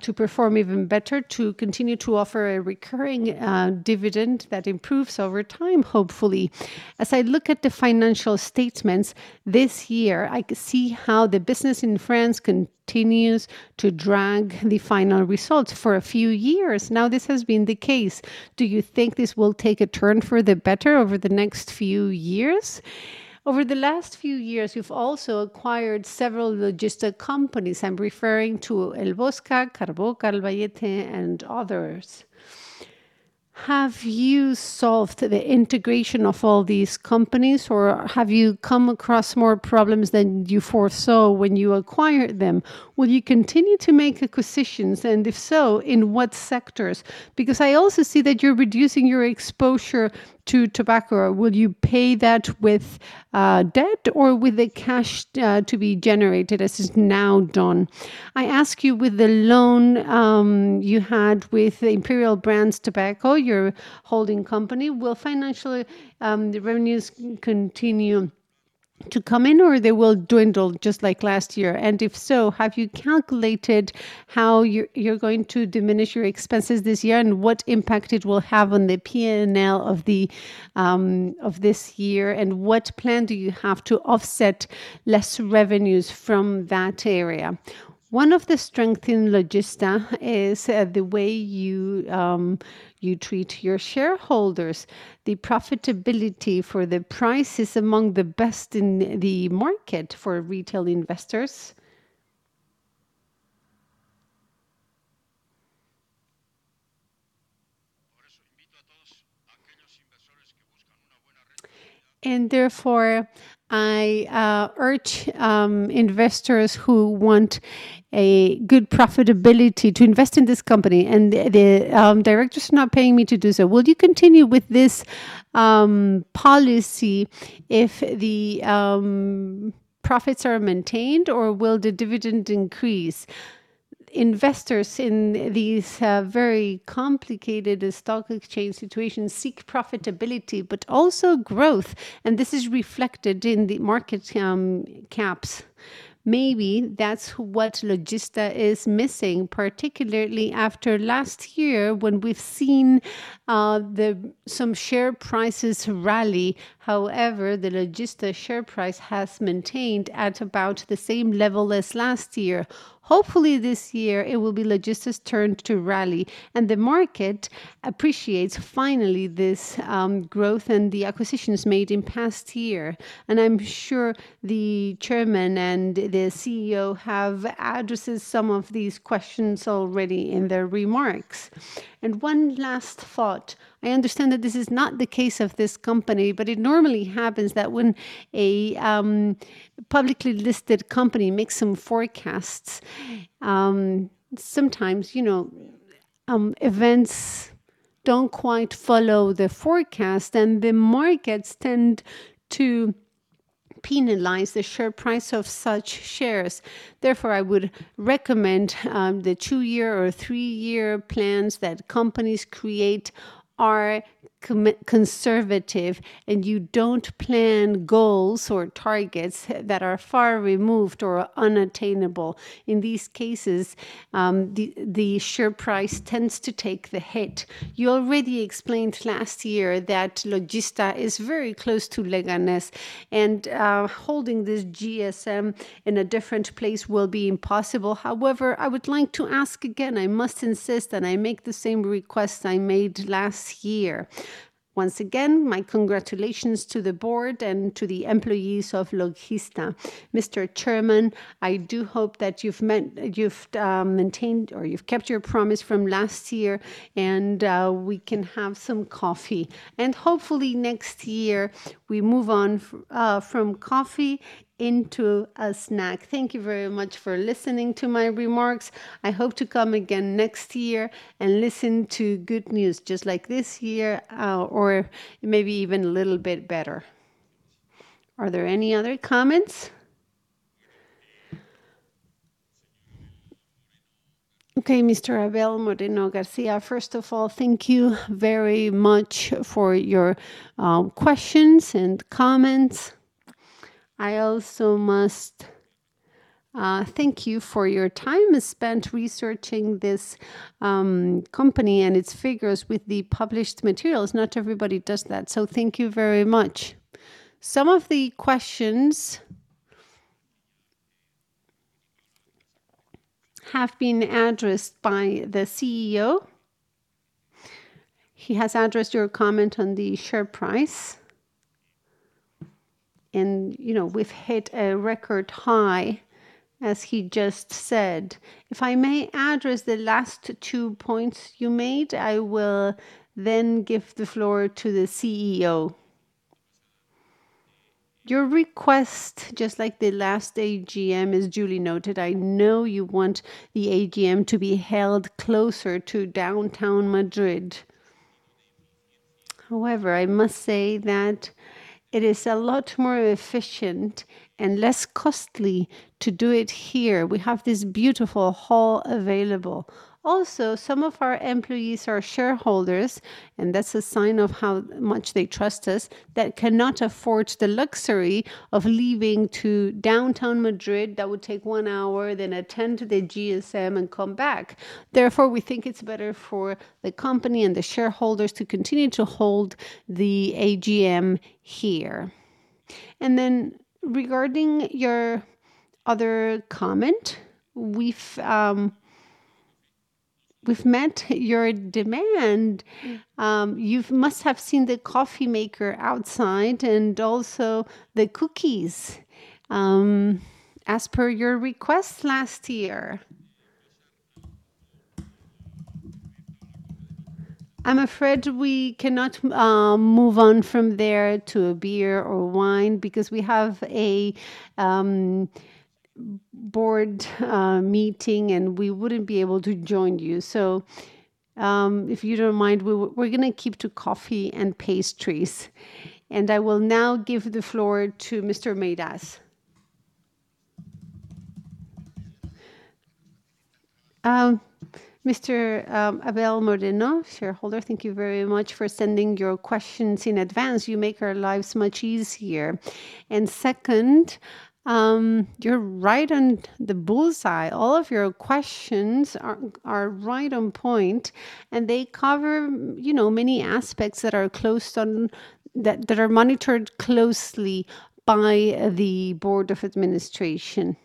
to perform even better, to continue to offer a recurring dividend that improves over time, hopefully. As I look at the financial statements this year, I see how the business in France continues to drag the final results for a few years. Now, this has been the case. Do you think this will take a turn for the better over the next few years? Over the last few years, you've also acquired several Logista companies. I'm referring to El Mosca, Carbó Collbatallé, and others. Have you solved the integration of all these companies, or have you come across more problems than you foresaw when you acquired them? Will you continue to make acquisitions, and if so, in what sectors? Because I also see that you're reducing your exposure to tobacco. Will you pay that with debt or with the cash to be generated as it's now done? I ask you, with the loan you had with Imperial Brands Tobacco, your holding company, will financial revenues continue to come in, or they will dwindle just like last year? And if so, have you calculated how you're going to diminish your expenses this year and what impact it will have on the P&L of this year? And what plan do you have to offset less revenues from that area? One of the strengths in Logista is the way you treat your shareholders. The profitability for the price is among the best in the market for retail investors. And therefore, I urge investors who want a good profitability to invest in this company, and the directors are not paying me to do so. Will you continue with this policy if the profits are maintained, or will the dividend increase? Investors in these very complicated stock exchange situations seek profitability but also growth, and this is reflected in the market caps. Maybe that's what Logista is missing, particularly after last year when we've seen some share prices rally. However, the Logista share price has maintained at about the same level as last year. Hopefully, this year, it will be Logista's turn to rally, and the market appreciates finally this growth and the acquisitions made in past year. I'm sure the chairman and the CEO have addressed some of these questions already in their remarks. One last thought. I understand that this is not the case of this company, but it normally happens that when a publicly listed company makes some forecasts, sometimes events don't quite follow the forecast, and the markets tend to penalize the share price of such shares. Therefore, I would recommend the two-year or three-year plans that companies create are conservative, and you don't plan goals or targets that are far removed or unattainable. In these cases, the share price tends to take the hit. You already explained last year that Logista is very close to Leganés, and holding this AGM in a different place will be impossible. However, I would like to ask again. I must insist, and I make the same request I made last year. Once again, my congratulations to the board and to the employees of Logista. Mr. Chairman, I do hope that you've maintained or you've kept your promise from last year, and we can have some coffee. And hopefully, next year, we move on from coffee into a snack. Thank you very much for listening to my remarks. I hope to come again next year and listen to good news just like this year or maybe even a little bit better. Are there any other comments? Okay, Mr. Abel Moreno García. First of all, thank you very much for your questions and comments. I also must thank you for your time spent researching this company and its figures with the published materials. Not everybody does that. So thank you very much. Some of the questions have been addressed by the CEO. He has addressed your comment on the share price. And we've hit a record high, as he just said. If I may address the last two points you made, I will then give the floor to the CEO. Your request, just like the last AGM, is duly noted. I know you want the AGM to be held closer to downtown Madrid. However, I must say that it is a lot more efficient and less costly to do it here. We have this beautiful hall available. Also, some of our employees are shareholders, and that's a sign of how much they trust us that cannot afford the luxury of leaving to downtown Madrid. That would take one hour, then attend the AGM, and come back. Therefore, we think it's better for the company and the shareholders to continue to hold the AGM here. And then regarding your other comment, we've met your demand. You must have seen the coffee maker outside and also the cookies. As per your request last year, I'm afraid we cannot move on from there to a beer or wine because we have a board meeting, and we wouldn't be able to join you. So if you don't mind, we're going to keep to coffee and pastries. And I will now give the floor to Mr. Meirás. Mr. Abel Moreno, shareholder, thank you very much for sending your questions in advance. You make our lives much easier. And second, you're right on the bullseye. All of your questions are right on point, and they cover many aspects that are closely monitored by the Board of Directors.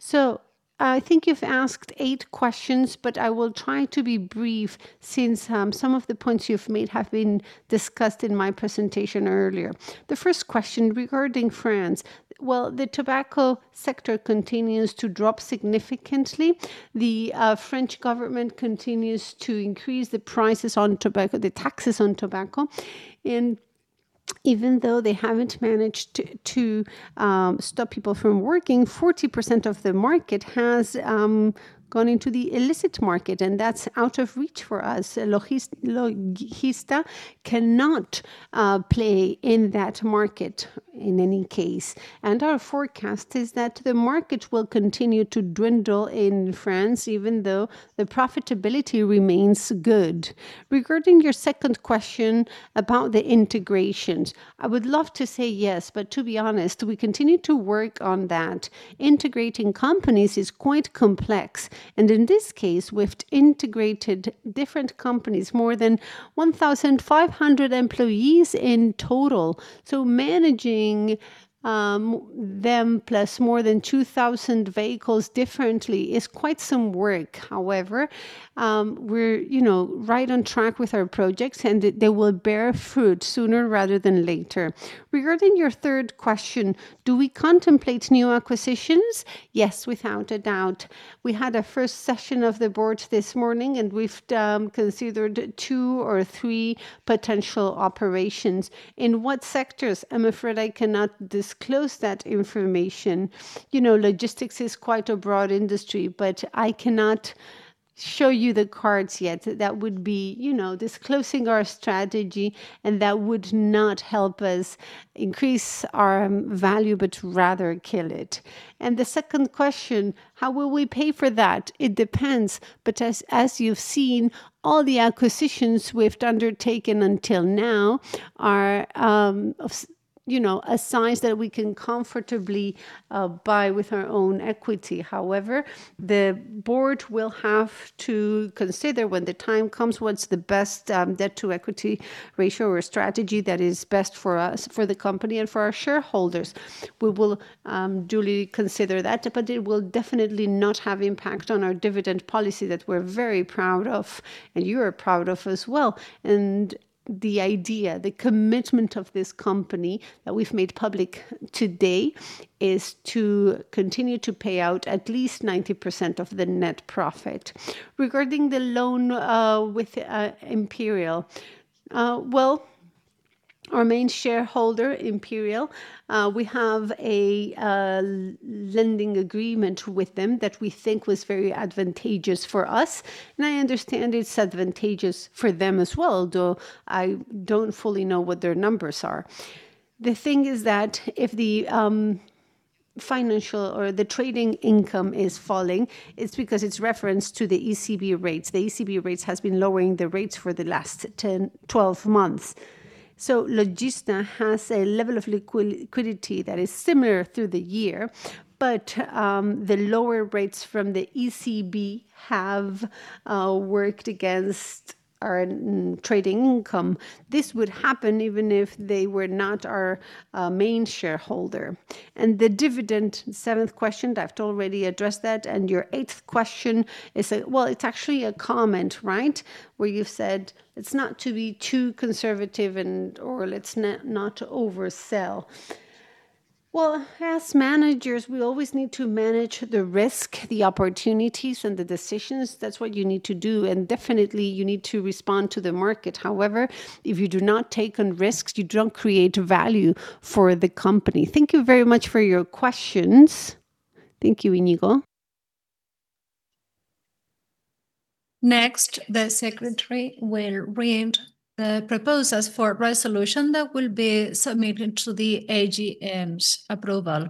So I think you've asked 8 questions, but I will try to be brief since some of the points you've made have been discussed in my presentation earlier. The first question regarding France. Well, the tobacco sector continues to drop significantly. The French government continues to increase the prices on tobacco, the taxes on tobacco. And even though they haven't managed to stop people from smoking, 40% of the market has gone into the illicit market, and that's out of reach for us. Logista cannot play in that market in any case. And our forecast is that the market will continue to dwindle in France, even though the profitability remains good. Regarding your second question about the integrations, I would love to say yes, but to be honest, we continue to work on that. Integrating companies is quite complex. In this case, we've integrated different companies, more than 1,500 employees in total. So managing them plus more than 2,000 vehicles differently is quite some work. However, we're right on track with our projects, and they will bear fruit sooner rather than later. Regarding your third question, do we contemplate new acquisitions? Yes, without a doubt. We had a first session of the board this morning, and we've considered 2 or 3 potential operations. In what sectors? I'm afraid I cannot disclose that information. Logistics is quite a broad industry, but I cannot show you the cards yet. That would be disclosing our strategy, and that would not help us increase our value but rather kill it. The second question, how will we pay for that? It depends. As you've seen, all the acquisitions we've undertaken until now are a size that we can comfortably buy with our own equity. However, the board will have to consider, when the time comes, what's the best debt-to-equity ratio or strategy that is best for the company and for our shareholders. We will duly consider that, but it will definitely not have impact on our dividend policy that we're very proud of, and you are proud of as well. The idea, the commitment of this company that we've made public today is to continue to pay out at least 90% of the net profit. Regarding the loan with Imperial, well, our main shareholder, Imperial, we have a lending agreement with them that we think was very advantageous for us. I understand it's advantageous for them as well, though I don't fully know what their numbers are. The thing is that if the financial or the trading income is falling, it's because it's referenced to the ECB rates. The ECB rates have been lowering the rates for the last 10, 12 months. So Logista has a level of liquidity that is similar through the year, but the lower rates from the ECB have worked against our trading income. This would happen even if they were not our main shareholder. And the dividend, seventh question, I've already addressed that. And your eighth question is, well, it's actually a comment, right, where you've said it's not to be too conservative or let's not oversell. Well, as managers, we always need to manage the risk, the opportunities, and the decisions. That's what you need to do. Definitely, you need to respond to the market. However, if you do not take on risks, you don't create value for the company. Thank you very much for your questions. Thank you, Íñigo. Next, the secretary will read the proposals for resolution that will be submitted to the AGM's approval.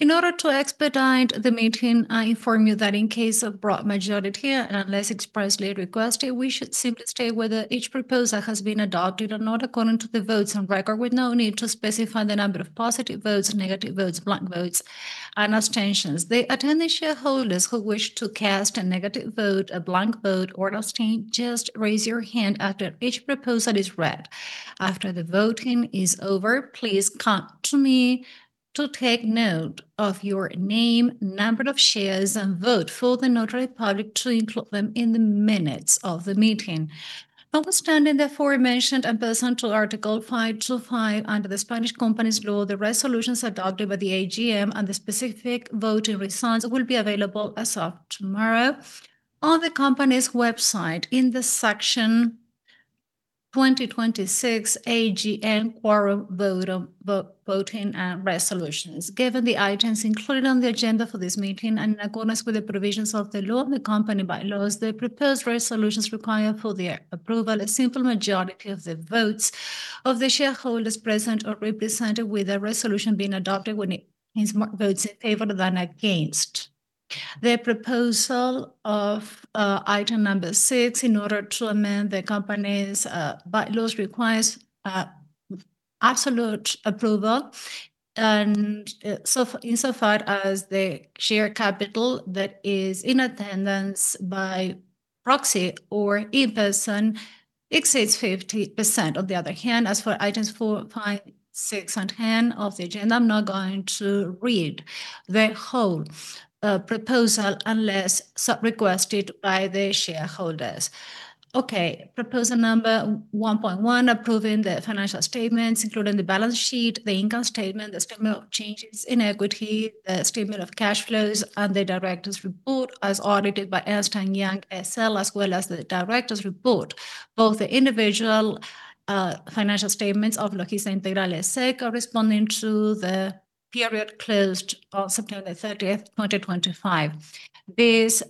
In order to expedite the meeting, I inform you that in case of broad majority and unless expressly requested, we should simply state whether each proposal has been adopted or not according to the votes on record, with no need to specify the number of positive votes, negative votes, blank votes, and abstentions. The attendee shareholders who wish to cast a negative vote, a blank vote, or abstain just raise your hand after each proposal is read. After the voting is over, please come to me to take note of your name, number of shares, and vote for the notary public to include them in the minutes of the meeting. Pursuant to the aforementioned and Article 525 under the Spanish Companies Law, the resolutions adopted by the AGM and the specific voting results will be available as of tomorrow on the company's website in the section 2026 AGM Quorum Voting and Resolutions. Given the items included on the agenda for this meeting and in accordance with the provisions of the law and the company's bylaws, the proposed resolutions require for their approval a simple majority of the votes of the shareholders present or represented with a resolution being adopted with more votes in favor than against. The proposal of item number six, in order to amend the company's bylaws, requires absolute approval. Insofar as the share capital that is in attendance by proxy or in person exceeds 50%. On the other hand, as for items 4, 5, 6, and 10 of the agenda, I'm not going to read the whole proposal unless requested by the shareholders. Okay, proposal number 1.1, approving the financial statements, including the balance sheet, the income statement, the statement of changes in equity, the statement of cash flows, and the director's report as audited by Ernst & Young, S.L., as well as the director's report, both the individual financial statements of Logista Integral, S.A. corresponding to the period closed on September 30th, 2025. This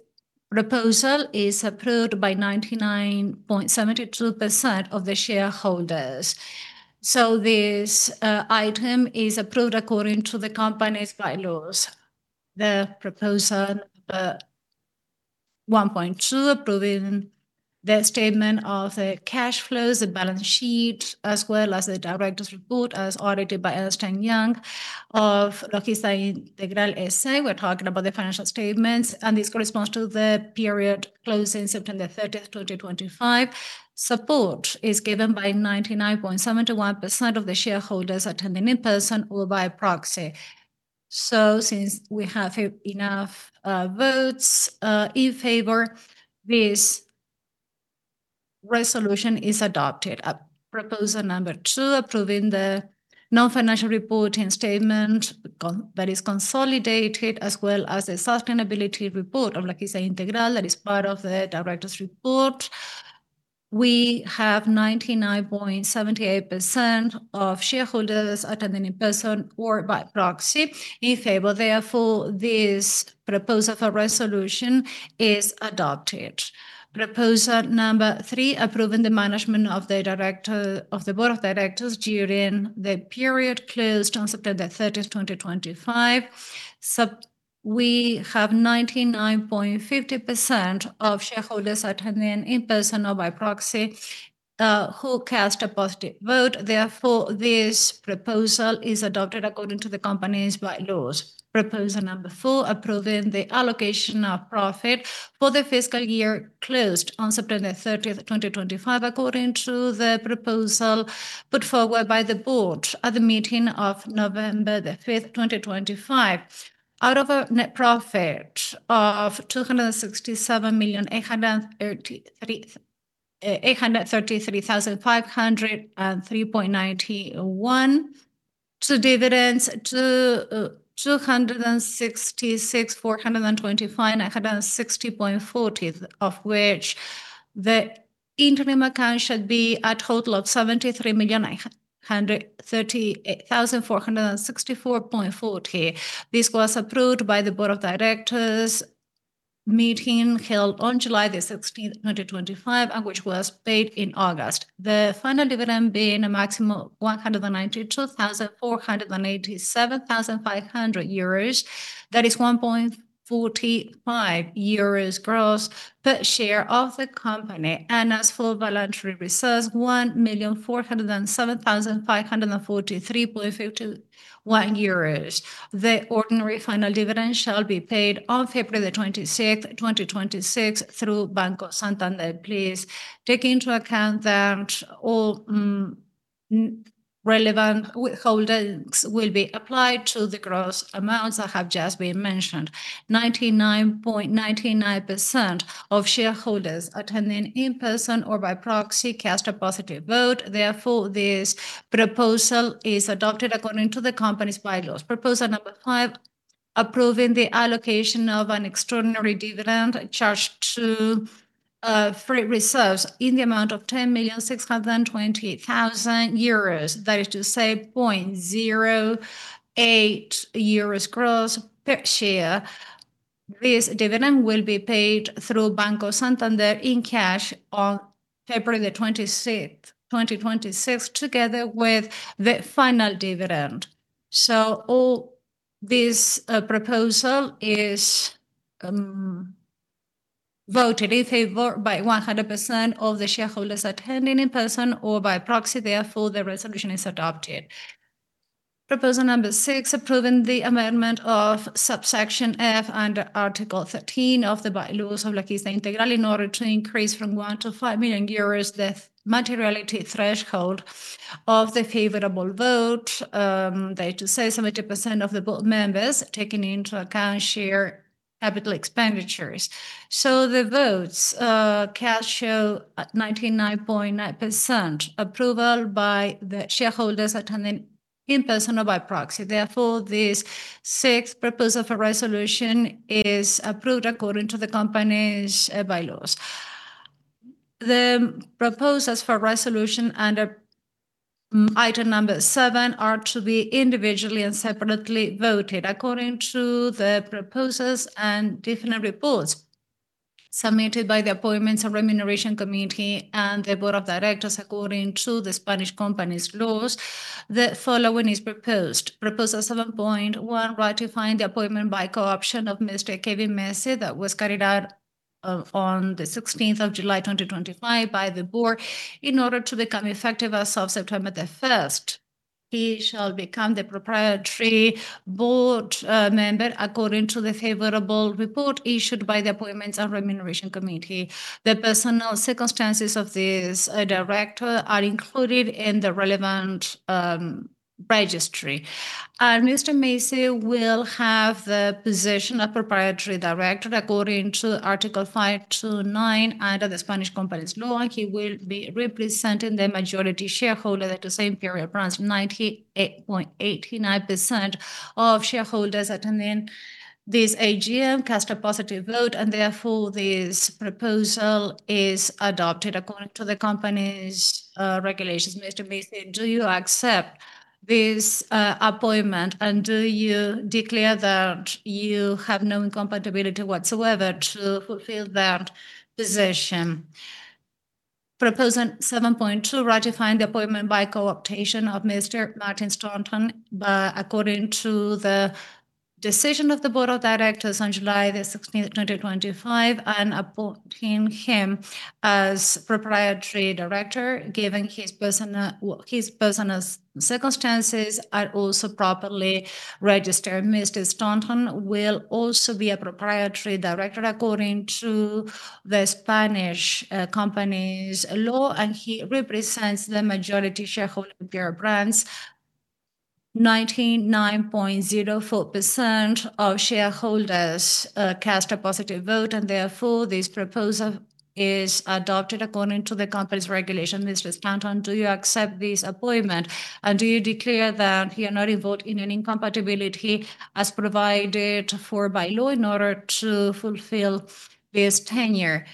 proposal is approved by 99.72% of the shareholders. So this item is approved according to the company's bylaws. The proposal number 1.2, approving the statement of the cash flows, the balance sheet, as well as the director's report as audited by Ernst & Young of Logista Integral, S.A. We're talking about the financial statements, and this corresponds to the period closing September 30th, 2025. Support is given by 99.71% of the shareholders attending in person or by proxy. So since we have enough votes in favor, this resolution is adopted. Proposal number 2, approving the non-financial reporting statement that is consolidated as well as the sustainability report of Logista Integral that is part of the director's report. We have 99.78% of shareholders attending in person or by proxy in favor. Therefore, this proposal for resolution is adopted. Proposal number 3, approving the management of the board of directors during the period closed on September 30th, 2025. We have 99.50% of shareholders attending in person or by proxy who cast a positive vote. Therefore, this proposal is adopted according to the company's bylaws. Proposal number four, approving the allocation of profit for the fiscal year closed on September 30th, 2025, according to the proposal put forward by the board at the meeting of November 5th, 2025. Out of a net profit of EUR 267,833,503.91 to dividends to 266,425,960.40, of which the interim account should be a total of 73,464.40. This was approved by the board of directors meeting held on July 16th, 2025, and which was paid in August. The final dividend being a maximum of 192,487,500 euros. That is 1.45 euros gross per share of the company. As for voluntary reserves, 1,407,543.51 euros. The ordinary final dividend shall be paid on February 26th, 2026, through Banco Santander. Please take into account that all relevant withholdings will be applied to the gross amounts that have just been mentioned. 99.99% of shareholders attending in person or by proxy cast a positive vote. Therefore, this proposal is adopted according to the company's bylaws. Proposal number five, approving the allocation of an extraordinary dividend charged to free reserves in the amount of 10,628,000 euros. That is to say, 0.08 euros gross per share. This dividend will be paid through Banco Santander in cash on February 26th, 2026, together with the final dividend. All this proposal is voted in favor by 100% of the shareholders attending in person or by proxy. Therefore, the resolution is adopted. Proposal number six, approving the amendment of subsection F under Article 13 of the bylaws of Logista Integral in order to increase from 1 million-5 million euros the materiality threshold of the favorable vote. That is to say, 70% of the board members taking into account share capital expenditures. So the votes cast show 99.9% approval by the shareholders attending in person or by proxy. Therefore, this sixth proposal for resolution is approved according to the company's bylaws. The proposals for resolution under item number 7 are to be individually and separately voted according to the proposals and different reports submitted by the Appointments and Remuneration Committee and the board of directors according to the Spanish Companies Laws. The following is proposed. Proposal 7.1, ratifying the appointment by co-option of Mr. Kevin Massie that was carried out on the 16th of July 2025 by the board in order to become effective as of September 1st. He shall become the proprietary board member according to the favorable report issued by the Appointments and Remuneration Committee. The personal circumstances of this director are included in the relevant registry. Mr. Massie will have the position of proprietary director according to Article 529 under the Spanish Companies Law. He will be representing the majority shareholder. That is to say, Imperial Brands. 98.89% of shareholders attending this AGM cast a positive vote. Therefore, this proposal is adopted according to the company's regulations. Mr. Massie, do you accept this appointment? And do you declare that you have no incompatibility whatsoever to fulfill that position? Proposal 7.2, ratifying the appointment by co-optation of Mr. Martin Stanton according to the decision of the board of directors on July 16th, 2025, and appointing him as proprietary director given his personal circumstances and also properly registered. Mr. Stanton will also be a proprietary director according to the Spanish Companies Law. He represents the majority shareholder Imperial Brands. 99.04% of shareholders cast a positive vote. Therefore, this proposal is adopted according to the company's regulations. Mr. Stanton, do you accept this appointment? And do you declare that you are not involved in any incompatibility as provided for by law in order to fulfill this tenure?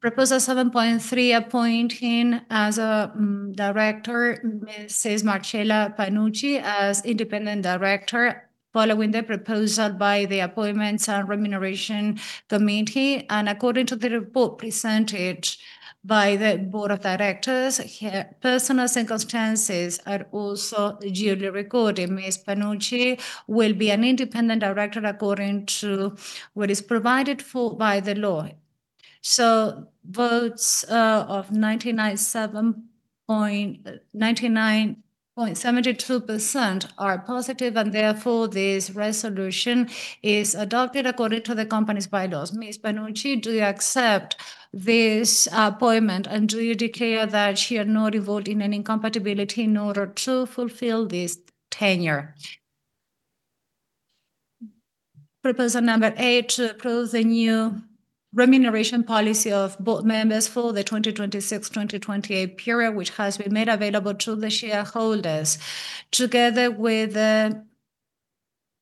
Proposal 7.3, appointing as a director Mrs. Marcella Panucci as independent director following the proposal by the Appointments and Remuneration Committee. And according to the report presented by the Board of Directors, her personal circumstances are also duly recorded. Ms. Panucci will be an independent director according to what is provided for by the law. Votes of 99.72% are positive. Therefore, this resolution is adopted according to the company's bylaws. Ms. Panucci, do you accept this appointment? And do you declare that you are not involved in any incompatibility in order to fulfill this tenure? Proposal number eight, to approve the new remuneration policy of board members for the 2026-2028 period, which has been made available to the shareholders together with the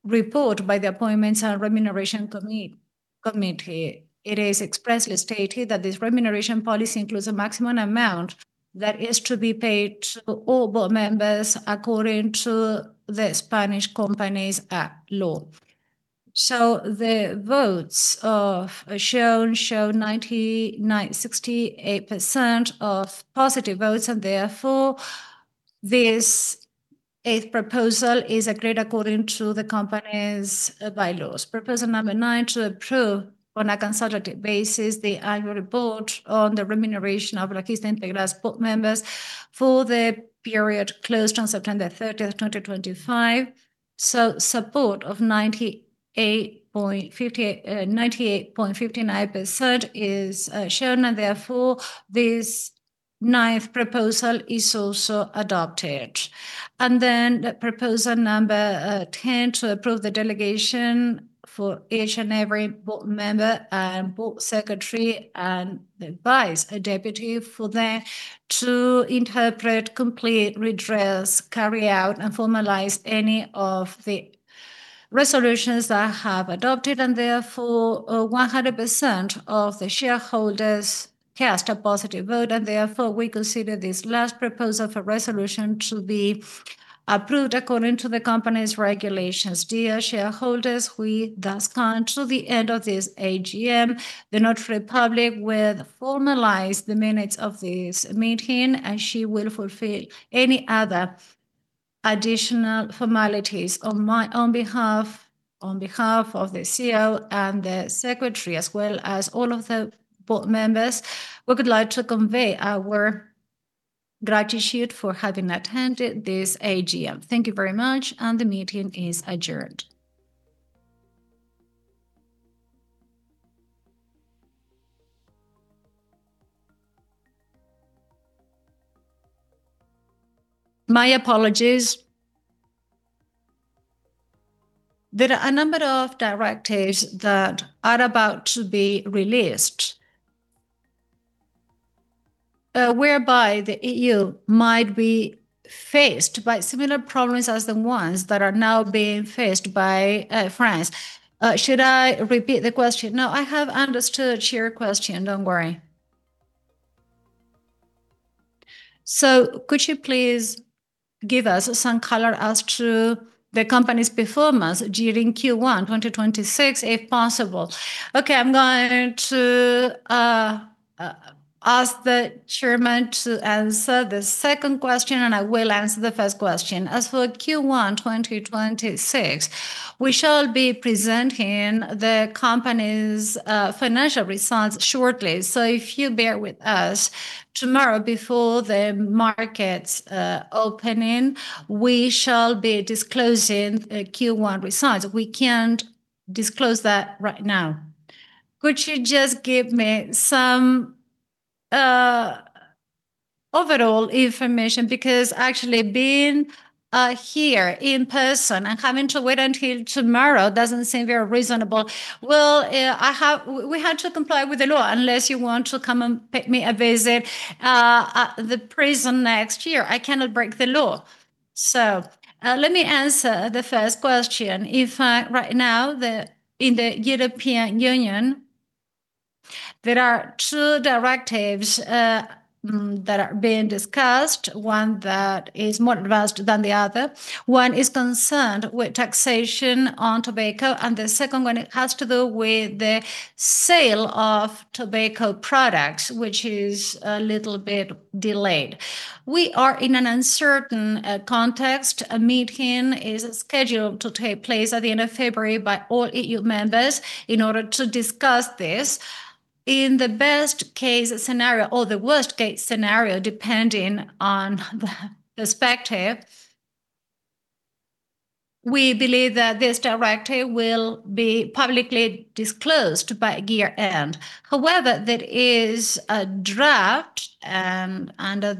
report by the appointments and remuneration committee. It is expressly stated that this remuneration policy includes a maximum amount that is to be paid to all board members according to the Spanish Companies Law. The votes shown show 99.68% of positive votes. Therefore, this eighth proposal is agreed according to the company's bylaws. Proposal number nine, to approve on a consultative basis the annual report on the remuneration of Logista Integral's board members for the period closed on September 30th, 2025. Support of 98.59% is shown. Therefore, this ninth proposal is also adopted. And then proposal number 10, to approve the delegation for each and every board member and board secretary and advise, a deputy for them to interpret, complete, redress, carry out, and formalize any of the resolutions that have been adopted. And therefore, 100% of the shareholders cast a positive vote. And therefore, we consider this last proposal for resolution to be approved according to the company's regulations. Dear shareholders, we thus come to the end of this AGM. The notary public will formalize the minutes of this meeting. And she will fulfill any other additional formalities on behalf of the CEO and the secretary, as well as all of the board members. We would like to convey our gratitude for having attended this AGM. Thank you very much. And the meeting is adjourned. My apologies. There are a number of directives that are about to be released, whereby the EU might be faced by similar problems as the ones that are now being faced by France. Should I repeat the question? No, I have understood your question. Don't worry. So could you please give us some color as to the company's performance during Q1 2026, if possible? Okay, I'm going to ask the chairman to answer the second question. And I will answer the first question. As for Q1 2026, we shall be presenting the company's financial results shortly. So if you bear with us, tomorrow before the markets opening, we shall be disclosing Q1 results. We can't disclose that right now. Could you just give me some overall information? Because actually, being here in person and having to wait until tomorrow doesn't seem very reasonable. Well, we have to comply with the law unless you want to come and pay me a visit at the prison next year. I cannot break the law. So let me answer the first question. If right now, in the European Union, there are two directives that are being discussed, one that is more advanced than the other. One is concerned with taxation on tobacco. And the second one has to do with the sale of tobacco products, which is a little bit delayed. We are in an uncertain context. A meeting is scheduled to take place at the end of February by all EU members in order to discuss this. In the best-case scenario or the worst-case scenario, depending on the perspective, we believe that this directive will be publicly disclosed by year-end. However, there is a draft under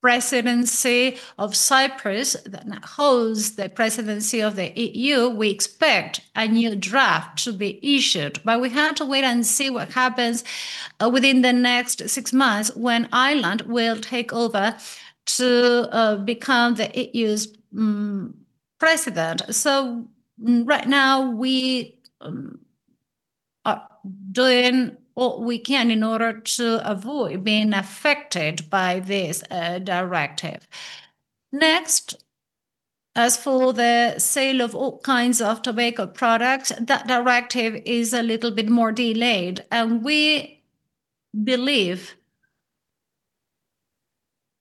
the presidency of Cyprus that hosts the presidency of the EU. We expect a new draft to be issued. But we have to wait and see what happens within the next six months when Ireland will take over to become the EU's president. So right now, we are doing what we can in order to avoid being affected by this directive. Next, as for the sale of all kinds of tobacco products, that directive is a little bit more delayed. We believe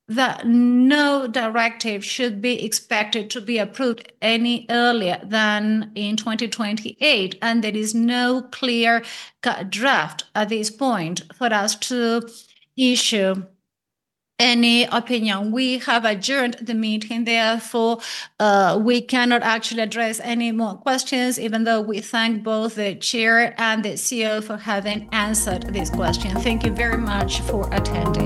that no directive should be expected to be approved any earlier than in 2028. There is no clear draft at this point for us to issue any opinion. We have adjourned the meeting. Therefore, we cannot actually address any more questions, even though we thank both the chair and the CEO for having answered this question. Thank you very much for attending.